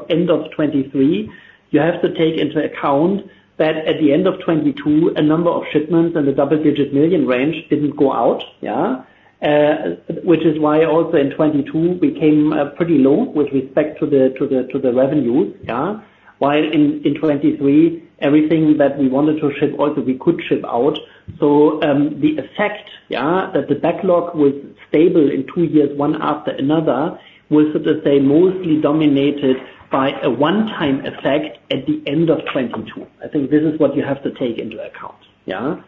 end of 2023, you have to take into account that at the end of 2022, a number of shipments in the double-digit million EUR range didn't go out, yeah? Which is why also in 2022, we came pretty low with respect to the revenues, yeah? While in 2023, everything that we wanted to ship, we also could ship out. So, the effect, yeah, that the backlog was stable in two years one after another was, so to say, mostly dominated by a one-time effect at the end of 2022. I think this is what you have to take into account, yeah?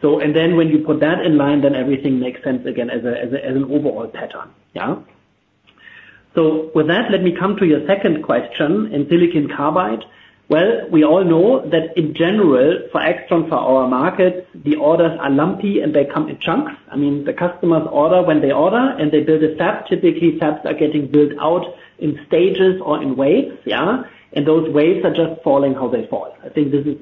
So and then when you put that in line, then everything makes sense again as an overall pattern, yeah? So with that, let me come to your second question in silicon carbide. Well, we all know that in general, for AIXTRON for our market, the orders are lumpy, and they come in chunks. I mean, the customers order when they order, and they build a fab. Typically, fabs are getting built out in stages or in waves, yeah? And those waves are just falling how they fall. I think this is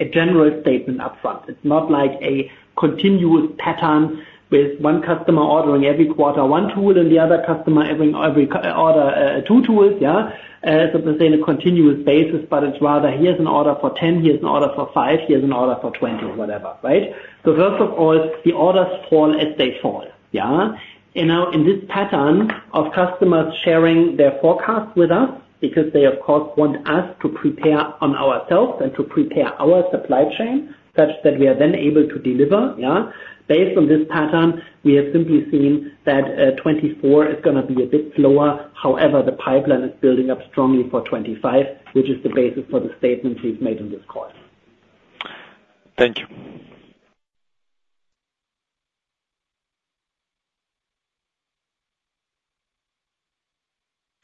a general statement upfront. It's not like a continuous pattern with one customer ordering every quarter one tool, and the other customer every quarter, two tools, yeah? So to speak, in a continuous basis. But it's rather, here's an order for 10. Here's an order for 5. Here's an order for 20, whatever, right? So first of all, the orders fall as they fall, yeah? And now, in this pattern of customers sharing their forecasts with us because they, of course, want us to prepare ourselves and to prepare our supply chain such that we are then able to deliver, yeah? Based on this pattern, we have simply seen that, 2024 is gonna be a bit slower. However, the pipeline is building up strongly for 2025, which is the basis for the statements we've made on this call. Thank you.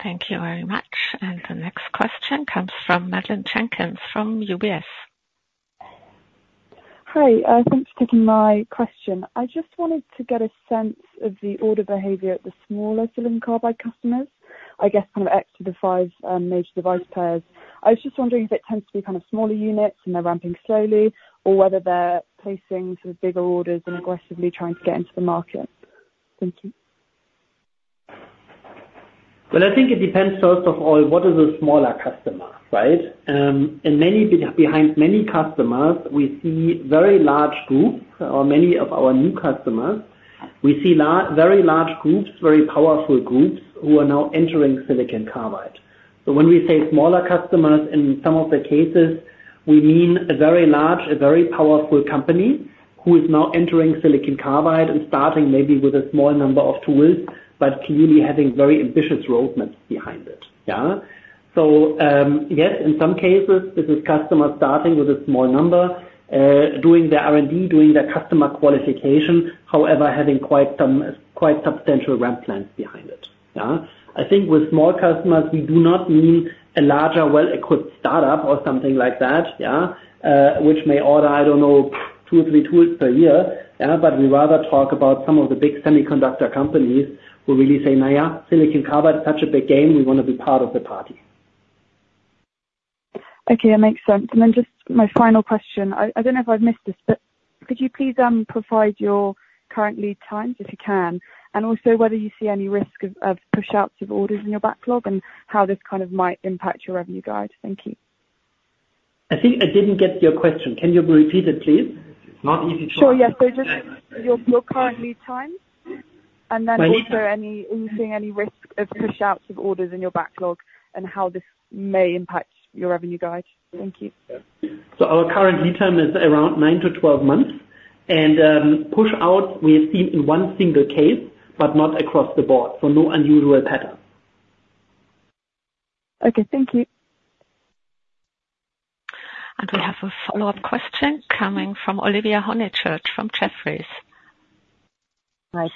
Thank you very much. The next question comes from Madeleine Jenkins from UBS. Hi. Thanks for taking my question. I just wanted to get a sense of the order behavior at the smaller silicon carbide customers, I guess, kind of outside the five major device players. I was just wondering if it tends to be kind of smaller units, and they're ramping slowly, or whether they're placing sort of bigger orders and aggressively trying to get into the market. Thank you. Well, I think it depends first of all, what is the smaller customer, right? In many behind many customers, we see very large groups or many of our new customers, we see very large groups, very powerful groups who are now entering silicon carbide. So when we say smaller customers, in some of the cases, we mean a very large, a very powerful company who is now entering silicon carbide and starting maybe with a small number of tools but clearly having very ambitious roadmaps behind it, yeah? So, yes, in some cases, this is customers starting with a small number, doing their R&D, doing their customer qualification, however, having quite substantial ramp plans behind it, yeah? I think with small customers, we do not mean a larger, well-equipped startup or something like that, yeah, which may order, I don't know, 2, 3 tools per year, yeah? But we rather talk about some of the big semiconductor companies who really say, "Nah yeah. Silicon carbide is such a big game. We wanna be part of the party. Okay. That makes sense. And then just my final question. I don't know if I've missed this, but could you please provide your current lead times if you can? And also whether you see any risk of push-outs of orders in your backlog and how this kind of might impact your revenue guide. Thank you. I think I didn't get your question. Can you repeat it, please? It's not easy to understand. Sure. Yeah. So just your, your current lead times and then also. My lead. Are you seeing any risk of push-outs of orders in your backlog and how this may impact your revenue guide? Thank you. Yeah. So our current lead time is around 9-12 months. And push-outs, we have seen in one single case but not across the board. So no unusual pattern. Okay. Thank you. We have a follow-up question coming from Olivia Honychurch from Jefferies. Hi.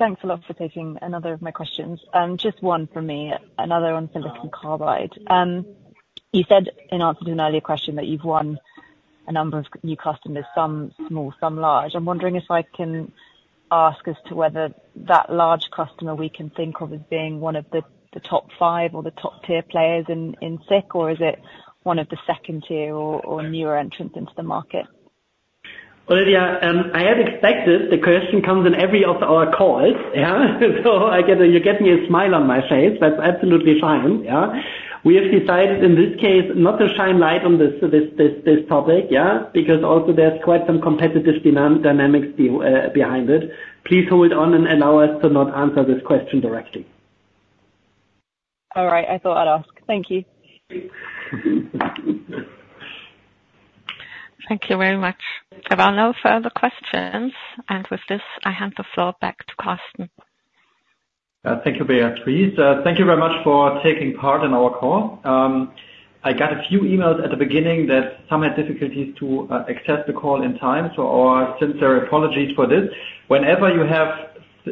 Thanks a lot for taking another of my questions. Just one from me, another on silicon carbide. You said in answer to an earlier question that you've won a number of new customers, some small, some large. I'm wondering if I can ask as to whether that large customer we can think of as being one of the, the top five or the top-tier players in, in SiC, or is it one of the second-tier or, or newer entrants into the market? Olivia, I had expected the question comes in every of our calls, yeah? So I get a you're getting a smile on my face. That's absolutely fine, yeah? We have decided in this case not to shine light on this topic, yeah, because also there's quite some competitive dynamics behind it. Please hold on and allow us to not answer this question directly. All right. I thought I'd ask. Thank you. Thank you very much. There are no further questions. With this, I hand the floor back to Carsten. Thank you, Beatriz. Thank you very much for taking part in our call. I got a few emails at the beginning that some had difficulties to access the call in time. So our sincere apologies for this.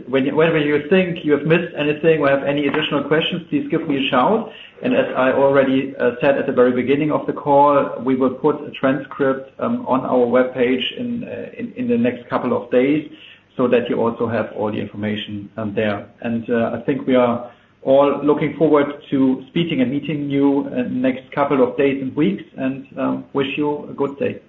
Whenever you think you have missed anything or have any additional questions, please give me a shout. And as I already said at the very beginning of the call, we will put a transcript on our web page in the next couple of days so that you also have all the information there. And I think we are all looking forward to speaking and meeting you next couple of days and weeks. And wish you a good day.